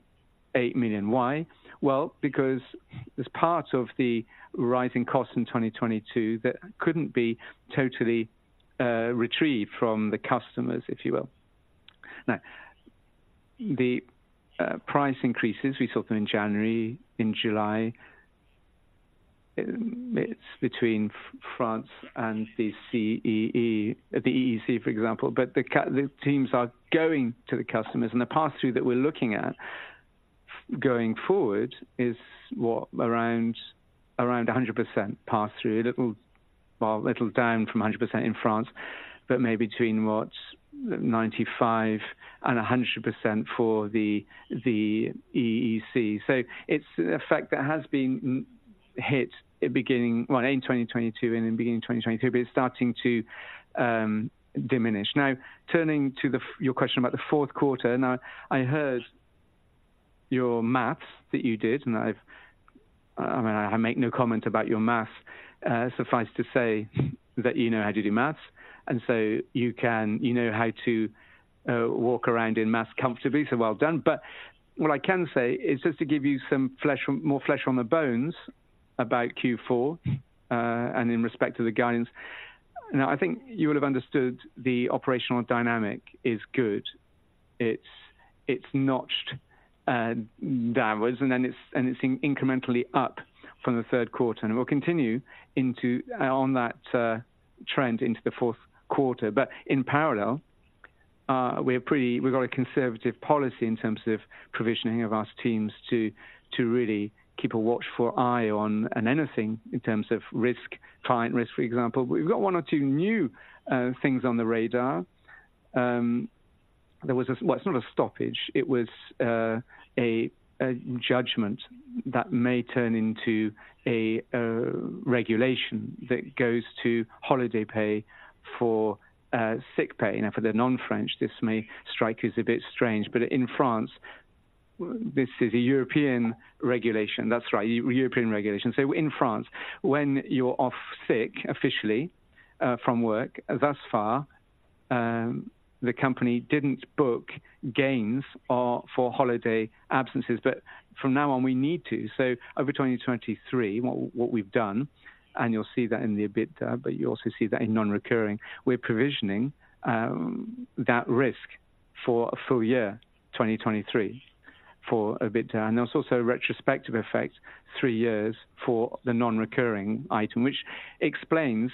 million. Why? Well, because as part of the rising costs in 2022, that couldn't be totally retrieved from the customers, if you will. Now, the price increases, we saw them in January, in July. It's between France and the CEE, for example, but the teams are going to the customers, and the pass-through that we're looking at going forward is, what? Around 100% pass-through. A little down from 100% in France, but maybe between 95% and 100% for the CEE. So it's an effect that has been hit at the beginning, well, in 2022 and in the beginning of 2023, but it's starting to diminish. Now, turning to your question about the fourth quarter. Now, I heard your math that you did, and I mean, I make no comment about your math. Suffice to say that you know how to do math, and so you can you know how to walk around in math comfortably, so well done. But what I can say is, just to give you some flesh, more flesh on the bones about Q4 and in respect to the guidance. Now, I think you will have understood the operational dynamic is good. It's notched downwards, and then it's incrementally up from the third quarter, and it will continue into on that trend into the fourth quarter. But in parallel, we've got a conservative policy in terms of provisioning of our teams to really keep a watchful eye on anything in terms of risk, client risk, for example. We've got one or two new things on the radar. Well, it's not a stoppage. It was a judgment that may turn into a regulation that goes to holiday pay for sick pay. Now, for the non-French, this may strike you as a bit strange, but in France, this is a European regulation. That's right, European regulation. So in France, when you're off sick officially from work, thus far, the company didn't book gains for holiday absences, but from now on, we need to. Over 2023, what we've done, and you'll see that in the EBITDA, but you also see that in non-recurring, we're provisioning that risk for a full year, 2023, for EBITDA, and there's also a retrospective effect, three years for the non-recurring item, which explains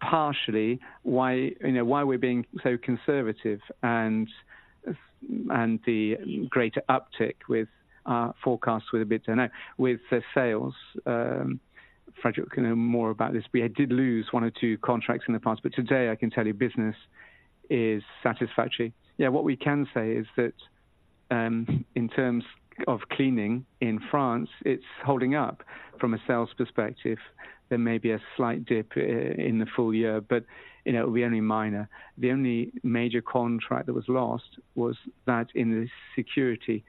partially why, you know, why we're being so conservative and the greater uptick with our forecasts with EBITDA. Now, with the sales, Frédéric can know more about this. We did lose one or two contracts in the past, but today I can tell you business is satisfactory. Yeah, what we can say is that, in terms of cleaning in France, it's holding up from a sales perspective. There may be a slight dip in the full year, but, you know, it will be only minor. The only major contract that was lost was that in the security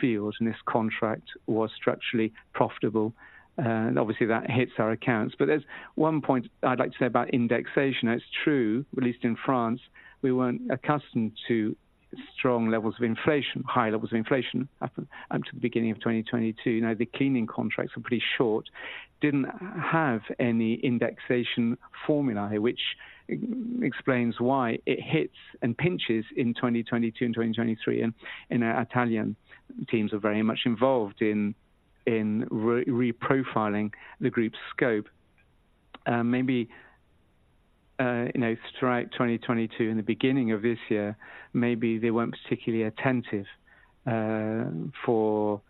field, and this contract was structurally profitable, and obviously, that hits our accounts. But there's one point I'd like to say about indexation, and it's true, at least in France, we weren't accustomed to strong levels of inflation, high levels of inflation up until the beginning of 2022. Now, the cleaning contracts were pretty short, didn't have any indexation formula, which explains why it hits and pinches in 2022 and 2023, and our Atalian teams are very much involved in reprofiling the group's scope. Maybe you know, throughout 2022, in the beginning of this year, maybe they weren't particularly attentive, for,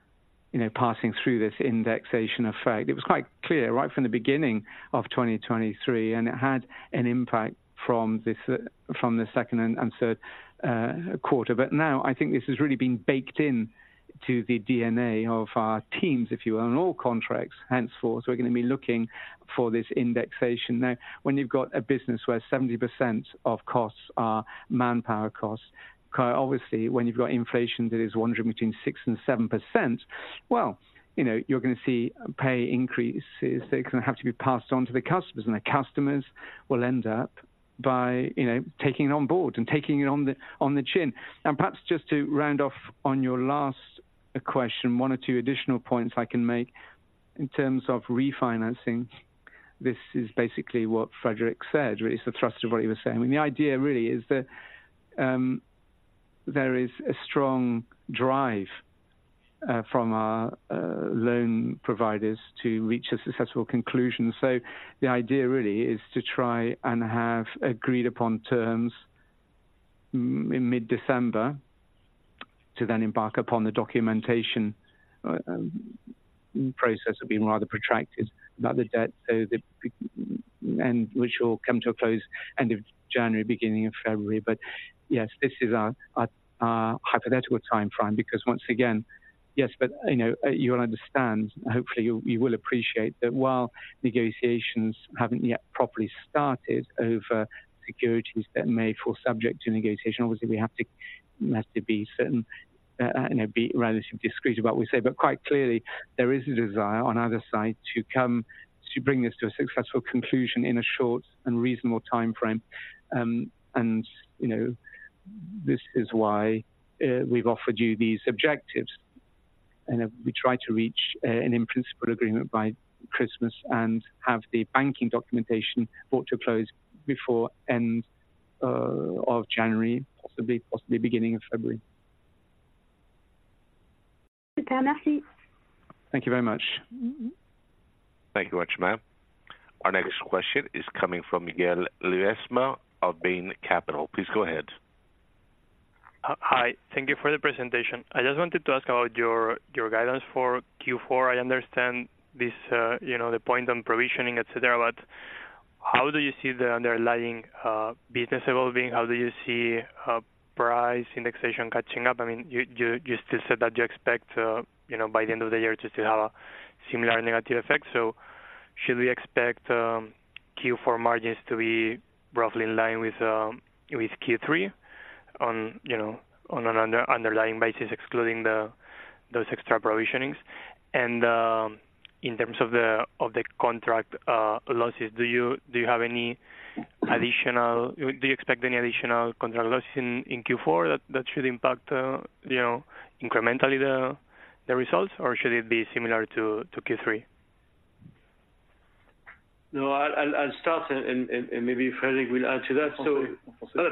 you know, passing through this indexation effect. It was quite clear right from the beginning of 2023, and it had an impact from this, from the second and third quarter. But now, I think this has really been baked in to the DNA of our teams, if you will, on all contracts henceforth. We're gonna be looking for this indexation. Now, when you've got a business where 70% of costs are manpower costs, quite obviously, when you've got inflation that is wandering between 6% and 7%, well, you know, you're gonna see pay increases that are gonna have to be passed on to the customers. And the customers will end up by, you know, taking it on board and taking it on the, on the chin. And perhaps just to round off on your last question, one or two additional points I can make in terms of refinancing. This is basically what Frédéric said, really, it's the thrust of what he was saying. I mean, the idea really is that, there is a strong drive, from our, loan providers to reach a successful conclusion. So the idea really is to try and have agreed upon terms in mid-December, to then embark upon the documentation, process of being rather protracted about the debt, and which will come to a close end of January, beginning of February. But yes, this is our hypothetical timeframe, because once again... Yes, but, you know, you'll understand, hopefully, you'll, you will appreciate that while negotiations haven't yet properly started over securities that may fall subject to negotiation, obviously, we have to, have to be certain, and, be relatively discreet about what we say. But quite clearly, there is a desire on either side to come, to bring this to a successful conclusion in a short and reasonable timeframe. And, you know, this is why, we've offered you these objectives, and, we try to reach, an in-principle agreement by Christmas and have the banking documentation brought to a close before end, of January, possibly, possibly beginning of February. Thank you very much. Thank you very much, ma'am. Our next question is coming from Miquel Luesma of Bain Capital. Please go ahead. Hi. Thank you for the presentation. I just wanted to ask about your guidance for Q4. I understand this, you know, the point on provisioning, et cetera, but how do you see the underlying business evolving? How do you see price indexation catching up? I mean, you still said that you expect, you know, by the end of the year to still have a similar negative effect. So should we expect Q4 margins to be roughly in line with Q3 on, you know, on an underlying basis, excluding those extra provisionings? In terms of the contract losses, do you expect any additional contract losses in Q4 that should impact, you know, incrementally the results, or should it be similar to Q3? No, I'll start and maybe Frédéric will add to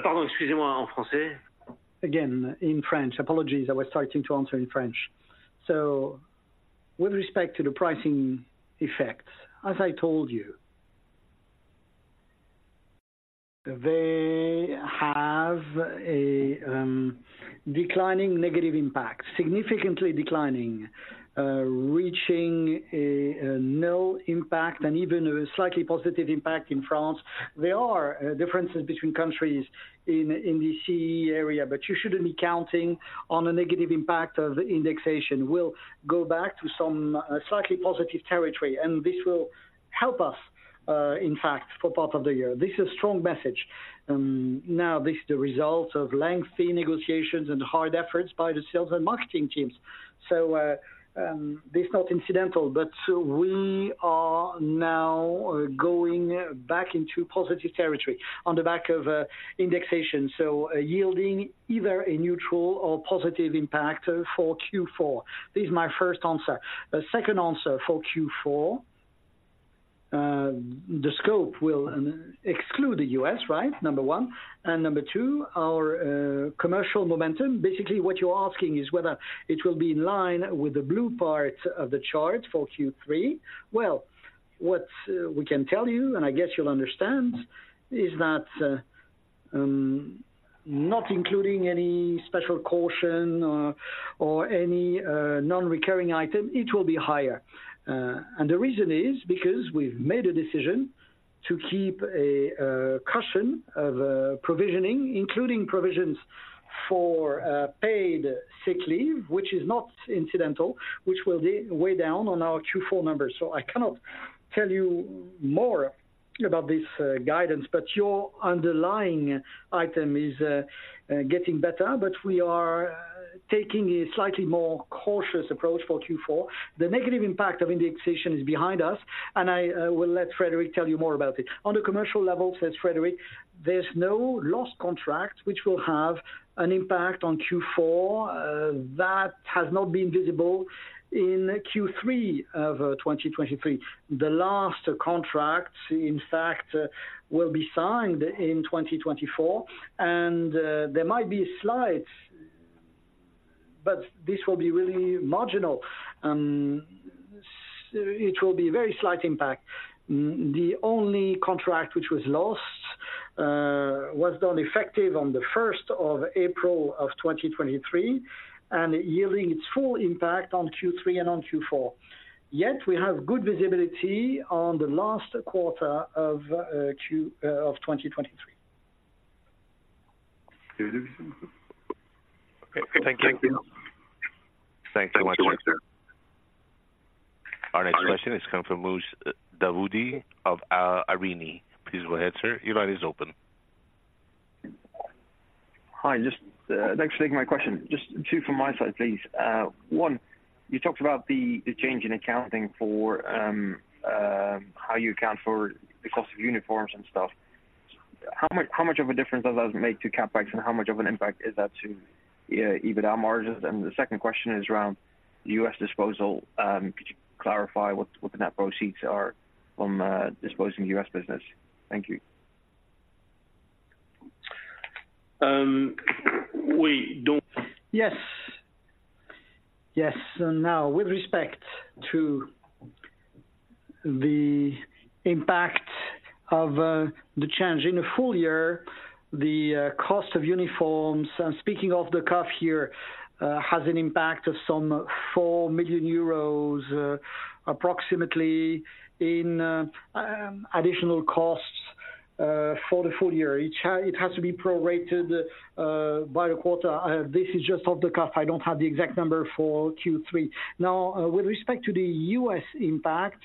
that. Again, in French. Apologies, I was starting to answer in French. So with respect to the pricing effects, as I told you, they have a declining negative impact, significantly declining, reaching a nil impact and even a slightly positive impact in France. There are differences between countries in the CEE area, but you shouldn't be counting on a negative impact of indexation. We'll go back to some slightly positive territory, and this will help us, in fact, for part of the year. This is a strong message. Now, this is the result of lengthy negotiations and hard efforts by the sales and marketing teams, so this is not incidental. But so we are now going back into positive territory on the back of indexation, so yielding either a neutral or positive impact for Q4. This is my first answer. The second answer for Q4, the scope will exclude the U.S., right? Number one. And number two, our commercial momentum. Basically, what you're asking is whether it will be in line with the blue part of the chart for Q3. Well, what we can tell you, and I guess you'll understand, is that not including any special caution or any non-recurring item, it will be higher. And the reason is because we've made a decision to keep a cushion of provisioning, including provisions for paid sick leave, which is not incidental, which will weigh down on our Q4 numbers. So I cannot tell you more about this guidance, but your underlying item is getting better, but we are taking a slightly more cautious approach for Q4. The negative impact of indexation is behind us, and I will let Frédéric tell you more about it. On the commercial level, says Frédéric, there's no lost contract which will have an impact on Q4 that has not been visible in Q3 of 2023. The last contracts, in fact, will be signed in 2024, and there might be a slight, But this will be really marginal. It will be very slight impact. The only contract which was lost was done effective on the first of April of 2023, and yielding its full impact on Q3 and on Q4. Yet we have good visibility on the last quarter of Q of 2023. Thank you. Thanks so much, sir. Our next question is coming from Mustaba Davoodi of Arini. Please go ahead, sir. Your line is open. Hi, just, thanks for taking my question. Just two from my side, please. One, you talked about the change in accounting for how you account for the cost of uniforms and stuff. How much of a difference does that make to CapEx, and how much of an impact is that to EBITDA margins? And the second question is around the US disposal. Could you clarify what the net proceeds are from disposing U.S. business? Thank you. We don't Yes. Yes, and now, with respect to the impact of the change in a full year, the cost of uniforms, and speaking off the cuff here, has an impact of some 4 million euros, approximately in additional costs, for the full year. It has to be prorated by the quarter. This is just off the cuff. I don't have the exact number for Q3. Now, with respect to the U.S. impact,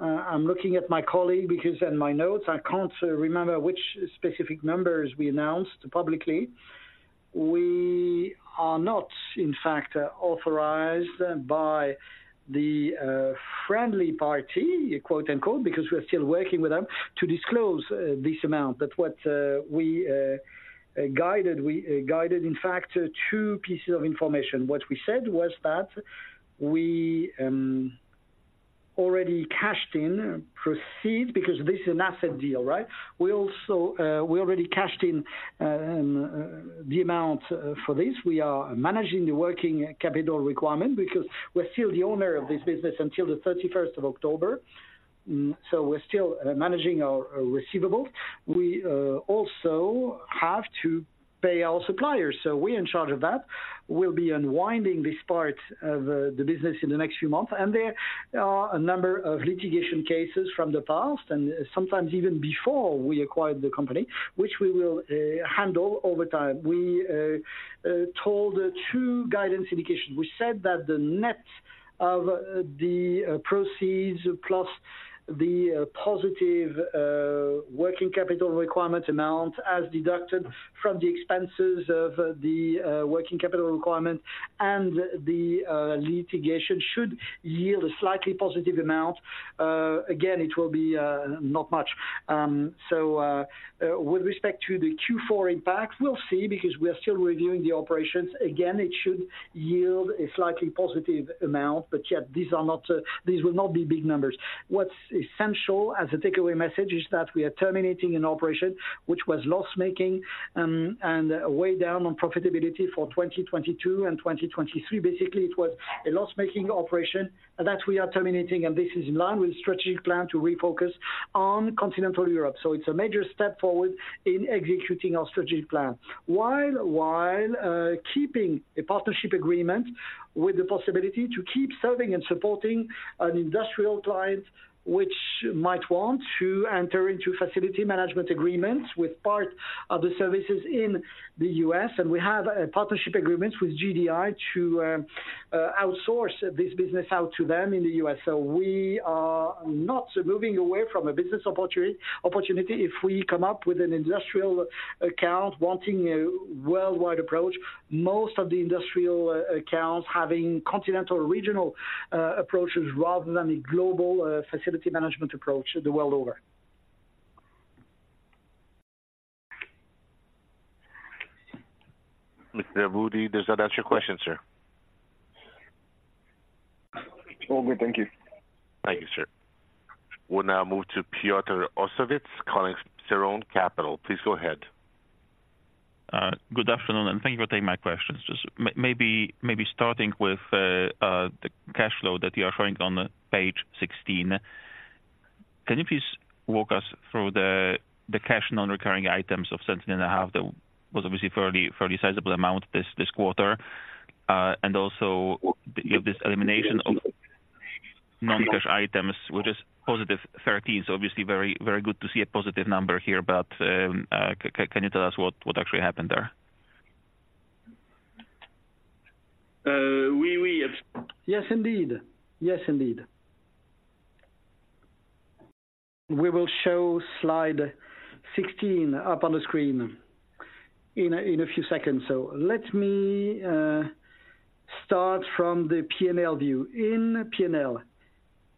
I'm looking at my colleague because in my notes, I can't remember which specific numbers we announced publicly. We are not, in fact, authorized by the friendly party, quote, unquote, because we're still working with them, to disclose this amount. But what we guided, we guided, in fact, two pieces of information. What we said was that we already cashed in proceeds because this is an asset deal, right? We also already cashed in the amount for this. We are managing the working capital requirement because we're still the owner of this business until the 31st of October, so we're still managing our receivables. We also have to pay our suppliers, so we're in charge of that. We'll be unwinding this part of the business in the next few months, and there are a number of litigation cases from the past, and sometimes even before we acquired the company, which we will handle over time. We told two guidance indications. We said that the net of the proceeds plus the positive working capital requirement amount, as deducted from the expenses of the working capital requirement and the litigation, should yield a slightly positive amount. Again, it will be not much. So, with respect to the Q4 impact, we'll see, because we are still reviewing the operations. Again, it should yield a slightly positive amount, but yet these are not, these will not be big numbers. What's essential as a takeaway message is that we are terminating an operation which was loss-making, and a way down on profitability for 2022 and 2023. Basically, it was a loss-making operation that we are terminating, and this is in line with strategic plan to refocus on Continental Europe. So it's a major step forward in executing our strategic plan, while keeping a partnership agreement with the possibility to keep serving and supporting an industrial client, which might want to enter into facility management agreements with part of the services in the U.S. And we have a partnership agreement with GDI to outsource this business out to them in the U.S. So we are not moving away from a business opportunity. If we come up with an industrial account wanting a worldwide approach, most of the industrial accounts having continental or regional approaches rather than a global facility management approach the world over. Mr. Davoodi, does that answer your question, sir? All good. Thank you. Thank you, sir. We'll now move to Piotr Ossowicz, Signal Capital. Please go ahead. Good afternoon, and thank you for taking my questions. Just maybe starting with the cash flow that you are showing on page 16, can you please walk us through the cash non-recurring items of 17.5 million? That was obviously a fairly sizable amount this quarter. And also, you have this elimination of non-cash items, which is positive 13 million. So obviously, very good to see a positive number here, but can you tell us what actually happened there? We Yes, indeed. Yes, indeed. We will show slide 16 up on the screen in a few seconds. So let me start from the P&L view. In P&L,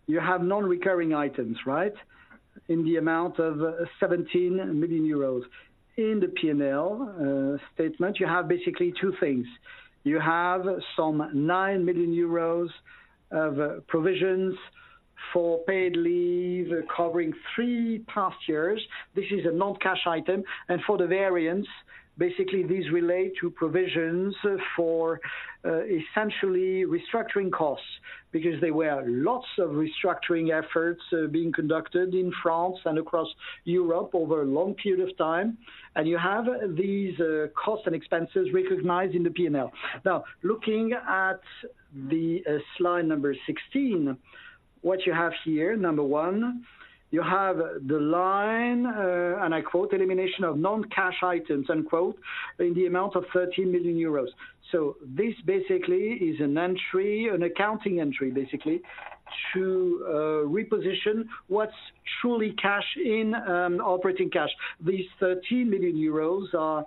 you have non-recurring items, right? In the amount of 17 million euros. In the P&L statement, you have basically two things. You have some 9 million euros of provisions for paid leave covering 3 past years. This is a non-cash item, and for the variance, basically, these relate to provisions for essentially restructuring costs, because there were lots of restructuring efforts being conducted in France and across Europe over a long period of time. And you have these costs and expenses recognized in the P&L. Now, looking at the slide number 16, what you have here, number one, you have the line, and I quote, "Elimination of non-cash items," unquote, in the amount of 13 million euros. So this basically is an entry, an accounting entry, basically, to reposition what's truly cash in operating cash. These 13 million euros are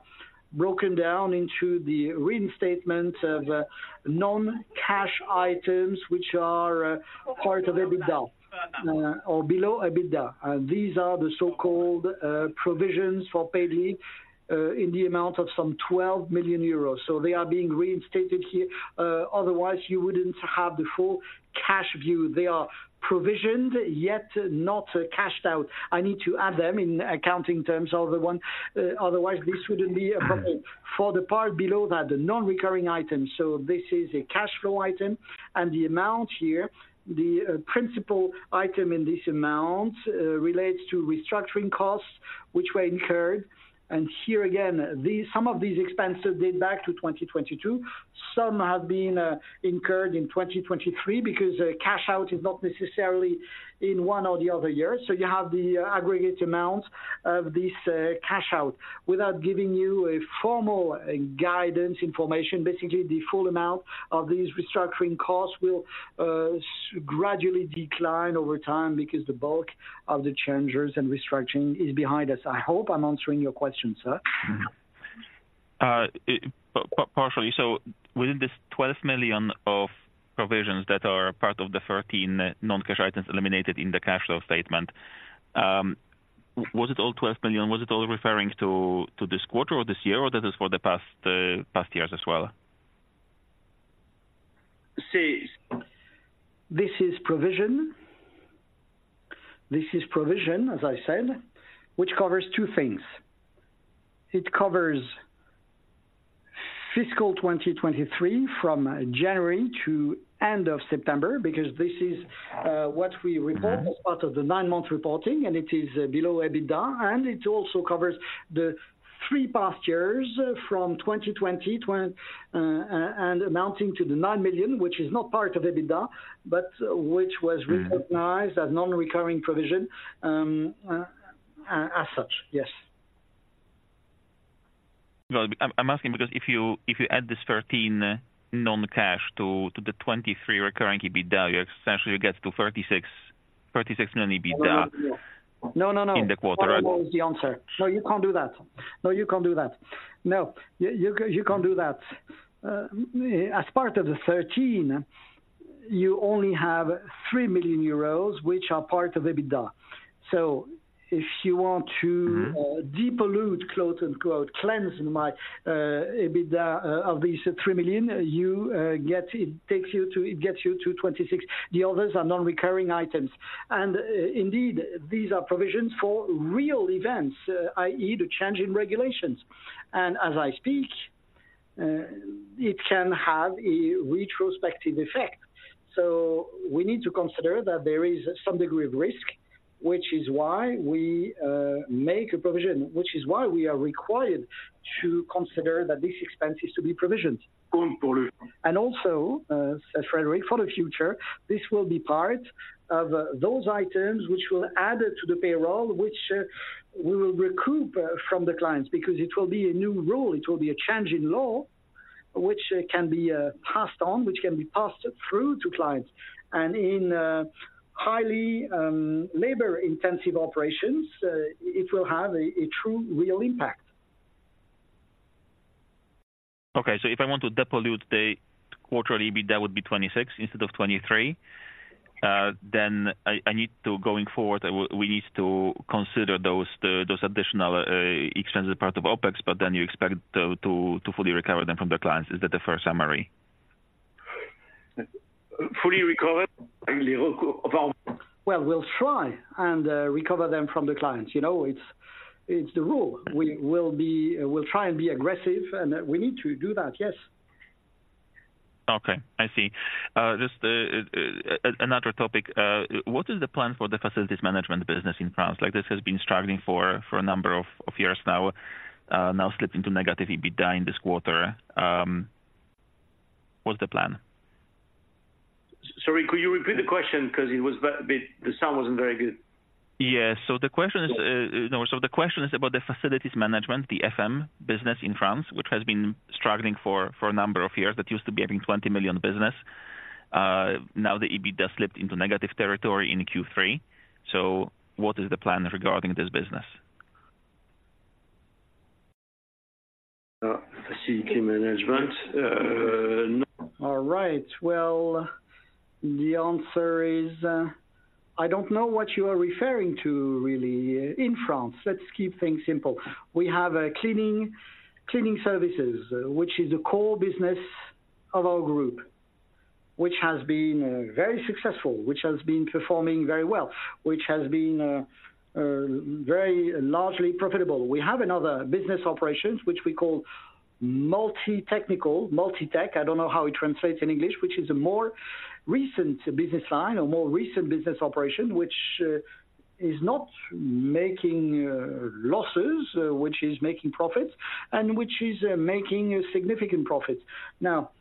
broken down into the reinstatement of non-cash items, which are part of EBITDA or below EBITDA. And these are the so-called provisions for paid leave in the amount of some 12 million euros. So they are being reinstated here, otherwise you wouldn't have the full cash view. They are provisioned, yet not cashed out. I need to add them in accounting terms, otherwise one, otherwise, this wouldn't be appropriate. For the part below that, the non-recurring items. So this is a cash flow item, and the amount here, the principal item in this amount relates to restructuring costs, which were incurred. And here again, these, some of these expenses date back to 2022. Some have been incurred in 2023, because the cash out is not necessarily in one or the other year. So you have the aggregate amount of this cash out. Without giving you a formal guidance information, basically, the full amount of these restructuring costs will gradually decline over time because the bulk of the changes and restructuring is behind us. I hope I'm answering your question, sir. Partially. So within this 12 million of provisions that are part of the 13 non-cash items eliminated in the cash flow statement, was it all 12 million? Was it all referring to this quarter or this year, or this is for the past years as well? See, this is provision. This is provision, as I said, which covers two things. It covers fiscal 2023, from January to end of September, because this is what we report as part of the nine-month reporting, and it is below EBITDA, and it also covers the three past years from 2020, 20, and amounting to 9 million, which is not part of EBITDA, but which was recognized as non-recurring provision, as such, yes. Well, I'm asking because if you add this 13 non-cash to the 23 recurring EBITDA, you essentially gets to 36 million EBITDA No, no, no. in the quarter. Wrong is the answer. No, you can't do that. No, you can't do that. No, you can't do that. As part of the 13, you only have 3 million euros, which are part of EBITDA. So if you want to depollute, quote, unquote, cleanse my EBITDA of these 3 million, you get it, it gets you to 26. The others are non-recurring items. And, indeed, these are provisions for real events, i.e., the change in regulations. And as I speak, it can have a retrospective effect. So we need to consider that there is some degree of risk, which is why we make a provision, which is why we are required to consider that this expense is to be provisioned. Also, said Frédéric, for the future, this will be part of those items which will add it to the payroll, which we will recoup from the clients, because it will be a new rule. It will be a change in law, which can be passed on, which can be passed through to clients. In highly labor-intensive operations, it will have a true, real impact. Okay, so if I want to depollute the quarterly, EBITDA would be 26 instead of 23. Then, going forward, we need to consider those additional expensive part of OpEx, but then you expect to fully recover them from the clients. Is that the fair summary? Fully recover? Well, we'll try and recover them from the clients. You know, it's the rule. We'll try and be aggressive, and we need to do that. Yes. Okay, I see. Just another topic. What is the plan for the facilities management business in France? Like, this has been struggling for a number of years now, slipping to negative EBITDA in this quarter. What's the plan? Sorry, could you repeat the question? Because it was. The sound wasn't very good. Yes. So the question is about the facilities management, the FM business in France, which has been struggling for a number of years. That used to be, I think, 20 million business. Now, the EBITDA slipped into negative territory in Q3. So what is the plan regarding this business? Facility management, no. All right. Well, the answer is, I don't know what you are referring to really in France. Let's keep things simple. We have a cleaning, cleaning services, which is a core business of our group, which has been very successful, which has been performing very well, which has been very largely profitable. We have another business operations, which we call multi-technical, multi-tech, I don't know how it translates in English, which is a more recent business line or more recent business operation, which is not making losses, which is making profits, and which is making significant profits. Now,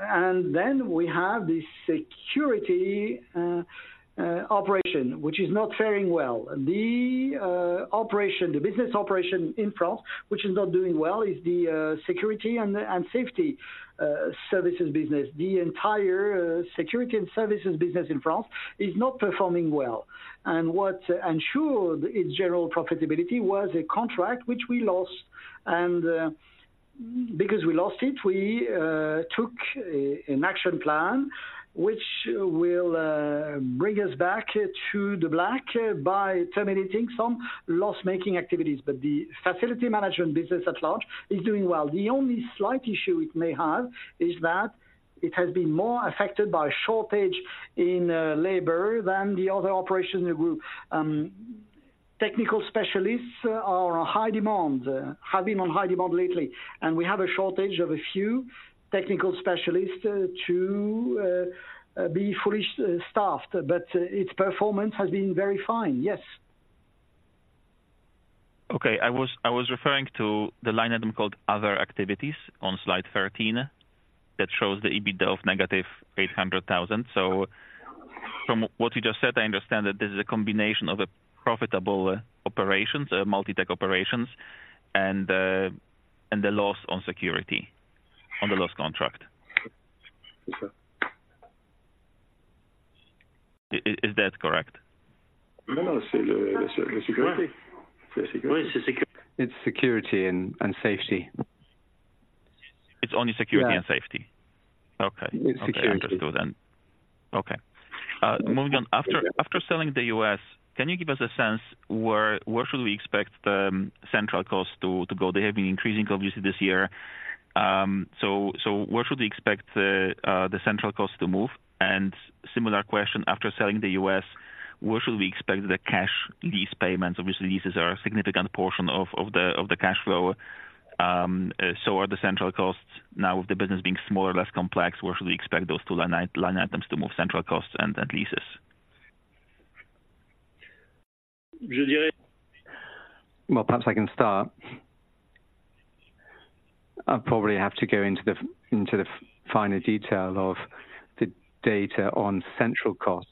and then we have the security operation, which is not faring well. The operation, the business operation in France, which is not doing well, is the security and safety services business. The entire security and services business in France is not performing well, and what ensured its general profitability was a contract which we lost. Because we lost it, we took an action plan, which will bring us back to the black by terminating some loss-making activities. But the facility management business at large is doing well. The only slight issue it may have is that it has been more affected by a shortage in labor than the other operation group. Technical specialists are in high demand, have been in high demand lately, and we have a shortage of a few technical specialists to be fully staffed, but its performance has been very fine. Yes? Okay. I was referring to the line item called Other activities on slide 13, that shows the EBITDA of -800,000. So from what you just said, I understand that this is a combination of the profitable operations, multi-tech operations, and the, and the loss on security, on the lost contract. Yes, sir. Is that correct? No, no, c'est le, the security. The security. Where is the security? It's security and safety. It's only security Yeah and safety? Okay. It's security. Okay, I understood then. Okay. Moving on. After selling the U.S., can you give us a sense where should we expect the central costs to go? They have been increasing, obviously, this year. So where should we expect the central costs to move? And similar question, after selling the U.S., where should we expect the cash lease payments? Obviously, leases are a significant portion of the cash flow. So are the central costs now, with the business being smaller, less complex, where should we expect those two line items to move central costs and leases? Laurent? Well, perhaps I can start. I'll probably have to go into the finer detail of the data on central costs.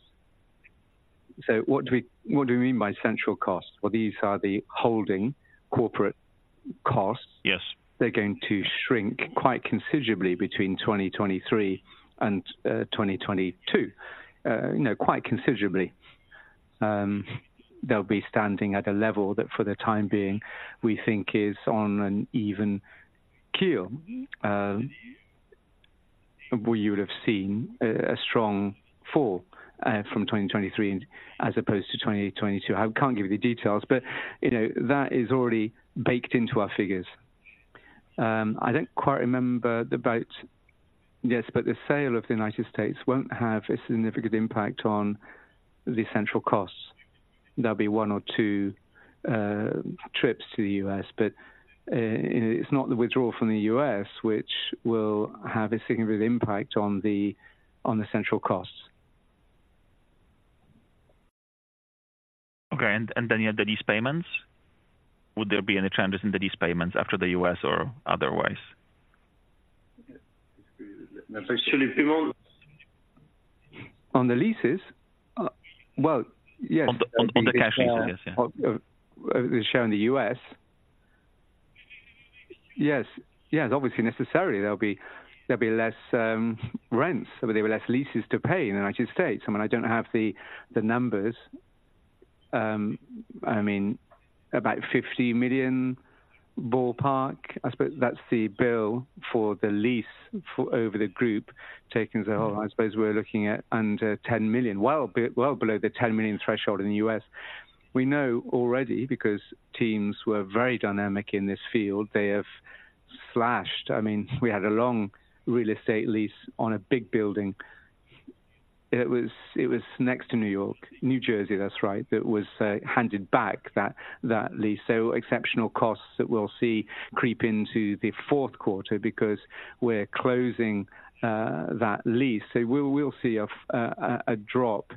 So what do you mean by central costs? Well, these are the holding corporate costs. Yes. They're going to shrink quite considerably between 2023 and 2022. You know, quite considerably. They'll be standing at a level that, for the time being, we think is on an even keel. Well, you would have seen a strong fall from 2023 as opposed to 2022. I can't give you the details, but, you know, that is already baked into our figures. I don't quite remember. Yes, but the sale of the United States won't have a significant impact on the central costs. There'll be one or two trips to the U.S., but it's not the withdrawal from the U.S. which will have a significant impact on the central costs. Okay, and then you have the lease payments. Would there be any changes in the lease payments after the U.S. or otherwise? Actually, people on the leases? Well, yes. On the cash leases, yes, yeah. Shown in the U.S.. Yes, yes, obviously, necessarily, there'll be less rents, so there were less leases to pay in the United States. I mean, I don't have the numbers. I mean, about 50 million ballpark, I suppose that's the bill for the lease for over the group, taking as a whole. I suppose we're looking at under $10 million, well below the 10 million threshold in the U.S.. We know already, because teams were very dynamic in this field, they have slashed. I mean, we had a long real estate lease on a big building. It was next to New York, New Jersey, that's right, that was handed back, that lease. So exceptional costs that we'll see creep into the fourth quarter because we're closing that lease. So we'll see a drop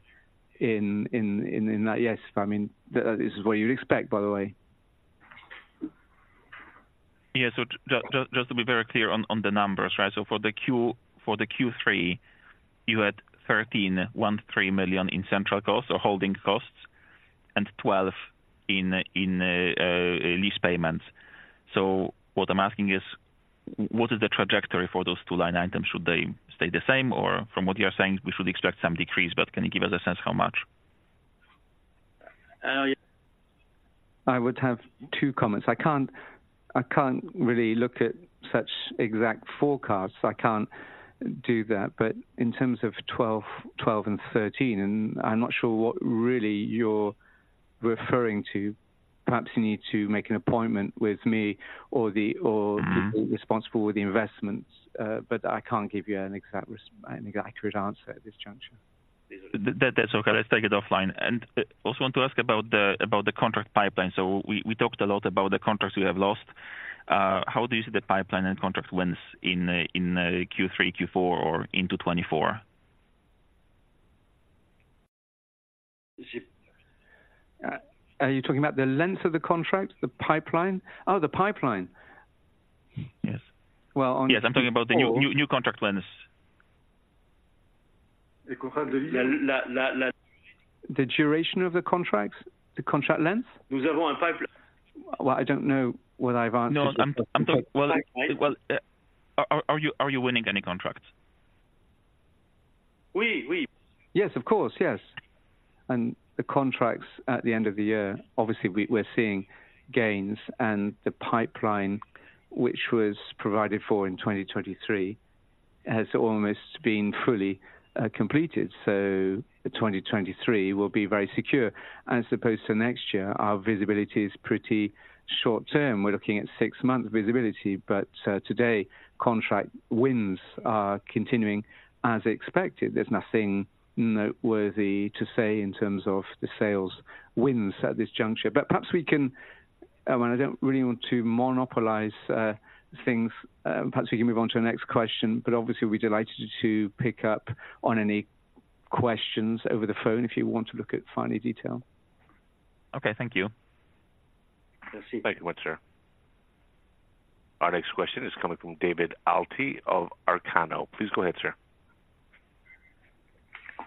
in that. Yes, I mean, that is what you'd expect, by the way. Yeah. So just, just to be very clear on the numbers, right? So for the Q3, you had 13 million in central costs or holding costs, and 12 million in lease payments. So what I'm asking is: What is the trajectory for those two line items? Should they stay the same, or from what you are saying, we should expect some decrease, but can you give us a sense how much? Uh, yeah. I would have 2 comments. I can't, I can't really look at such exact forecasts. I can't do that. But in terms of 12, 12 and 13, and I'm not sure what really you're referring to, perhaps you need to make an appointment with me or the, or the people responsible for the investments, but I can't give you an exact an accurate answer at this juncture. That's okay. Let's take it offline. Also want to ask about the contract pipeline. So we talked a lot about the contracts you have lost. How do you see the pipeline and contract wins in Q3, Q4, or into 2024? Are you talking about the length of the contract, the pipeline? Oh, the pipeline. Yes. Well, on Yes, I'm talking about the new, new contract lengths. The duration of the contracts, the contract length? Well, I don't know whether I've answered the question. No, I'm talking. Well, are you winning any contracts? Oui, oui. Yes, of course. Yes. And the contracts at the end of the year, obviously, we, we're seeing gains, and the pipeline, which was provided for in 2023, has almost been fully completed. So 2023 will be very secure. As opposed to next year, our visibility is pretty short term. We're looking at six months visibility, but today, contract wins are continuing as expected. There's nothing noteworthy to say in terms of the sales wins at this juncture, but perhaps we can, and I don't really want to monopolize things. Perhaps we can move on to the next question, but obviously, we'll be delighted to pick up on any questions over the phone if you want to look at finer detail. Okay, thank you. Thank you much, sir. Our next question is coming from David Alty of Arcano. Please go ahead, sir.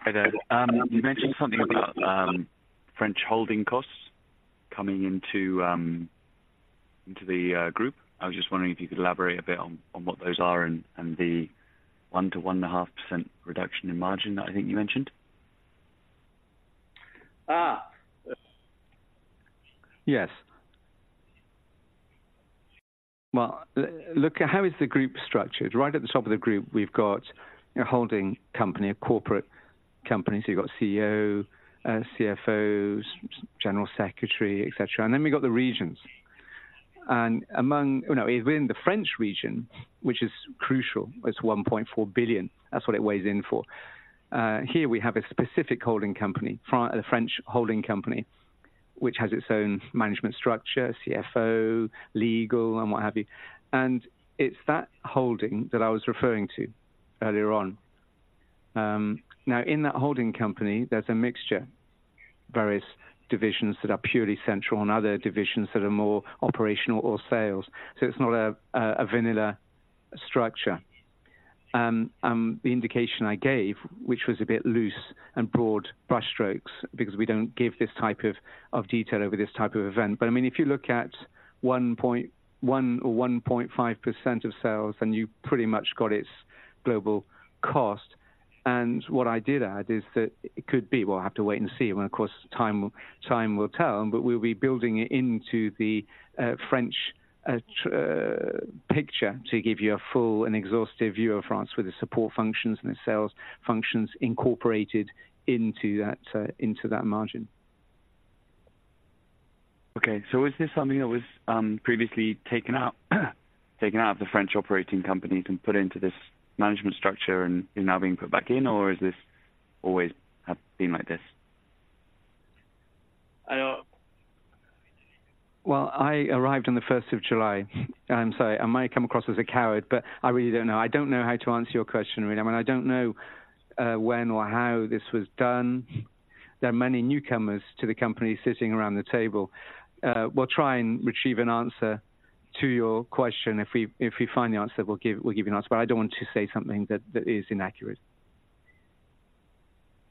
Hi, there. You mentioned something about French holding costs coming into the group. I was just wondering if you could elaborate a bit on what those are and the 1%-1.5% reduction in margin that I think you mentioned. Ah! Yes. Well, look at how the group is structured? Right at the top of the group, we've got a holding company, a corporate company, so you've got CEO, CFOs, general secretary, et cetera. And then we've got the regions. And among, you know, within the French region, which is crucial, it's 1.4 billion. That's what it weighs in for. Here we have a specific holding company, a French holding company, which has its own management structure, CFO, legal, and what have you. And it's that holding that I was referring to earlier on. Now, in that holding company, there's a mixture, various divisions that are purely central and other divisions that are more operational or sales. So it's not a vanilla structure. The indication I gave, which was a bit loose and broad brushstrokes because we don't give this type of, of detail over this type of event, but, I mean, if you look at 1.1% or 1.5% of sales, then you pretty much got its global cost. And what I did add is that it could be, we'll have to wait and see, when, of course, time, time will tell, but we'll be building it into the French picture to give you a full and exhaustive view of France with the support functions and the sales functions incorporated into that, into that margin. Okay, so is this something that was previously taken out of the French operating company and put into this management structure and is now being put back in, or is this always have been like this? I, uh. Well, I arrived on the first of July. I'm sorry, I might come across as a coward, but I really don't know. I don't know how to answer your question really. I mean, I don't know when or how this was done. There are many newcomers to the company sitting around the table. We'll try and retrieve an answer to your question. If we find the answer, we'll give you an answer, but I don't want to say something that is inaccurate.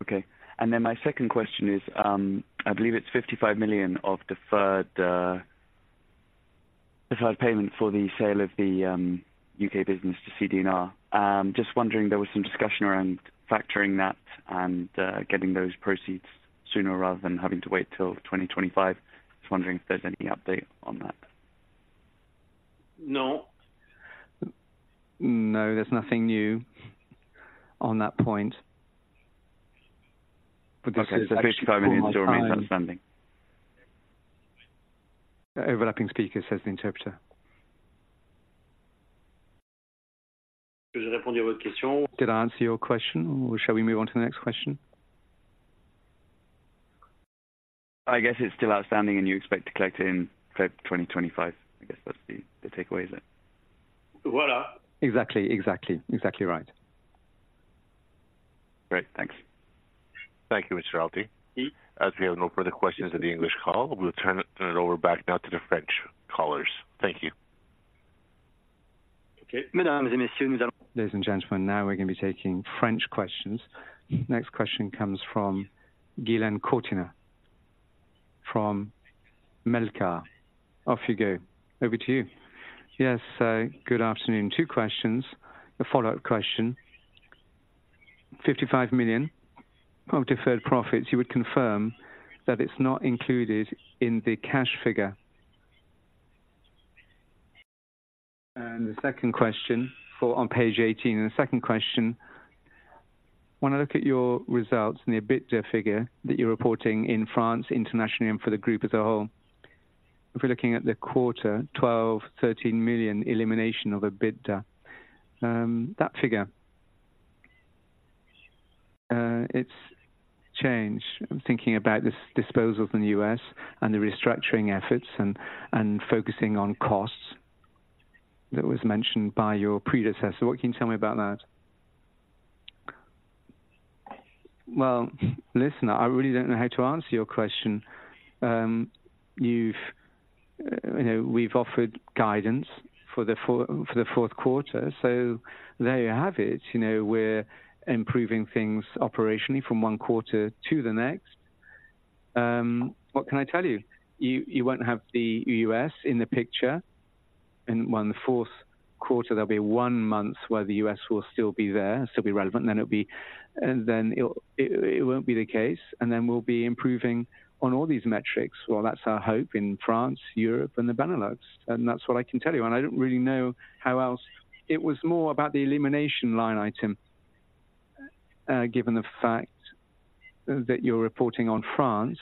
Okay. My second question is, I believe it's 55 million of deferred deferred payment for the sale of the U.K. business to CD&R. Just wondering, there was some discussion around factoring that and getting those proceeds sooner rather than having to wait till 2025. Just wondering if there's any update on that. No. No, there's nothing new on that point. But this is actually Okay, so EUR 55 million still remains outstanding. Overlapping speaker, says the interpreter. Did I answer your question, or shall we move on to the next question? I guess it's still outstanding, and you expect to collect it in 2025. I guess that's the takeaway, is it? Voila. Exactly, exactly. Exactly right. Great, thanks. Thank you, Mr. Alty. As we have no further questions in the English call, we'll turn it over back now to the French callers. Thank you. Okay. Ladies and gentlemen, now we're going to be taking French questions. Next question comes from Ghislaine Cortina from Melqart. Off you go. Over to you. Yes, good afternoon. Two questions. A follow-up question. 55 million of deferred profits, you would confirm that it's not included in the cash figure? And the second question for, on page 18, and the second question: when I look at your results and the EBITDA figure that you're reporting in France, internationally, and for the group as a whole, if we're looking at the quarter, 12-13 million elimination of EBITDA, that figure, it's changed. I'm thinking about this disposals in the U.S. and the restructuring efforts and focusing on costs that was mentioned by your predecessor. What can you tell me about that? Well, listen, I really don't know how to answer your question. You've, you know, we've offered guidance for the four, for the fourth quarter, so there you have it. You know, we're improving things operationally from one quarter to the next. What can I tell you? You, you won't have the U.S. in the picture. In one fourth quarter, there'll be one month where the U.S. will still be there, still be relevant, then it'll be, Then it, it won't be the case, and then we'll be improving on all these metrics. Well, that's our hope in France, Europe, and the Benelux, and that's what I can tell you. And I don't really know how else, It was more about the elimination line item, given the fact that you're reporting on France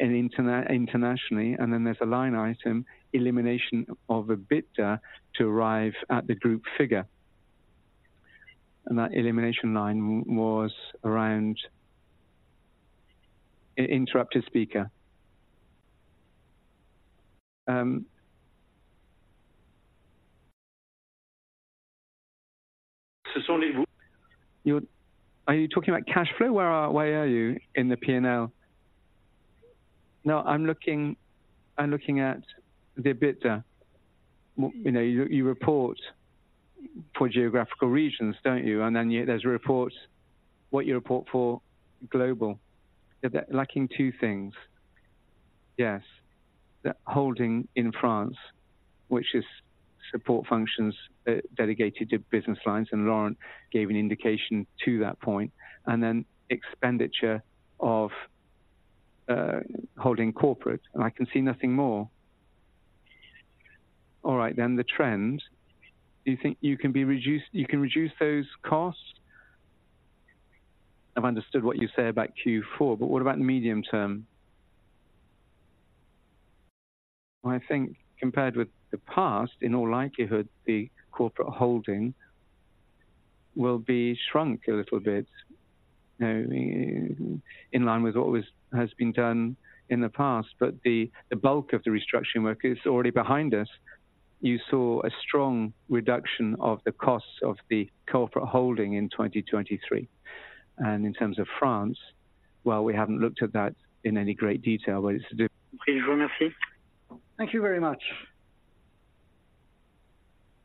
and internationally, and then there's a line item, elimination of EBITDA, to arrive at the group figure. And that elimination line was around. So only you, are you talking about cash flow? Where are, where are you in the P&L? No, I'm looking, I'm looking at the EBITDA. You know, you, you report for geographical regions, don't you? And then there's a report, what you report for global. Yeah, they're lacking two things. Yes. The holding in France, which is support functions dedicated to business lines, and Laurent gave an indication to that point, and then expenditure of holding corporate, and I can see nothing more. All right, then the trend. Do you think you can be reduced, you can reduce those costs? I've understood what you said about Q4, but what about medium term? I think compared with the past, in all likelihood, the corporate holding will be shrunk a little bit, you know, in line with what was, has been done in the past, but the bulk of the restructuring work is already behind us. You saw a strong reduction of the costs of the corporate holding in 2023. In terms of France, well, we haven't looked at that in any great detail, but it's to do Thank you very much.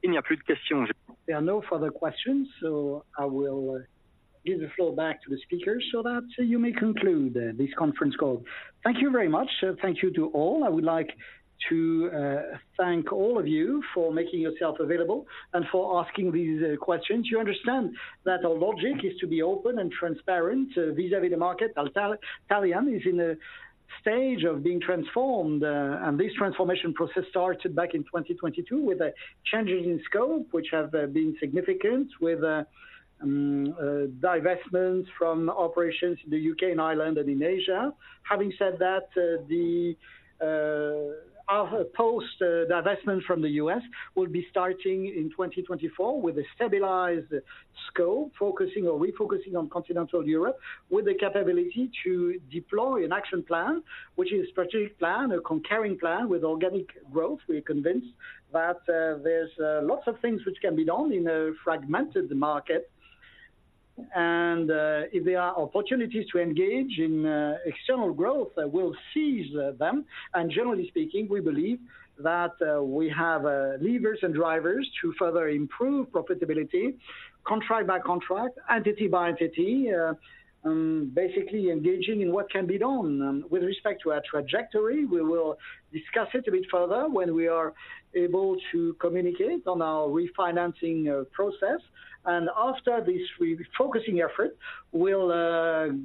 There are no further questions, so I will give the floor back to the speaker so that you may conclude this conference call. Thank you very much. So thank you to all. I would like to thank all of you for making yourself available and for asking these questions. You understand that our logic is to be open and transparent vis-à-vis the market. Atalian is in a stage of being transformed, and this transformation process started back in 2022 with the changes in scope, which have been significant, with divestments from operations in the U.K. and Ireland and in Asia. Having said that, our post-divestment from the U.S. will be starting in 2024 with a stabilized scope, focusing or refocusing on continental Europe, with the capability to deploy an action plan, which is a strategic plan, a concurring plan with organic growth. We're convinced that there's lots of things which can be done in a fragmented market, and if there are opportunities to engage in external growth, we'll seize them. And generally speaking, we believe that we have levers and drivers to further improve profitability, contract by contract, entity by entity, basically engaging in what can be done. With respect to our trajectory, we will discuss it a bit further when we are able to communicate on our refinancing process. After this re-focusing effort, we'll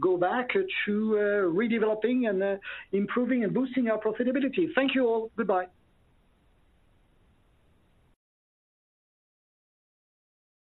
go back to redeveloping and improving and boosting our profita bility. Thank you all. Goodbye.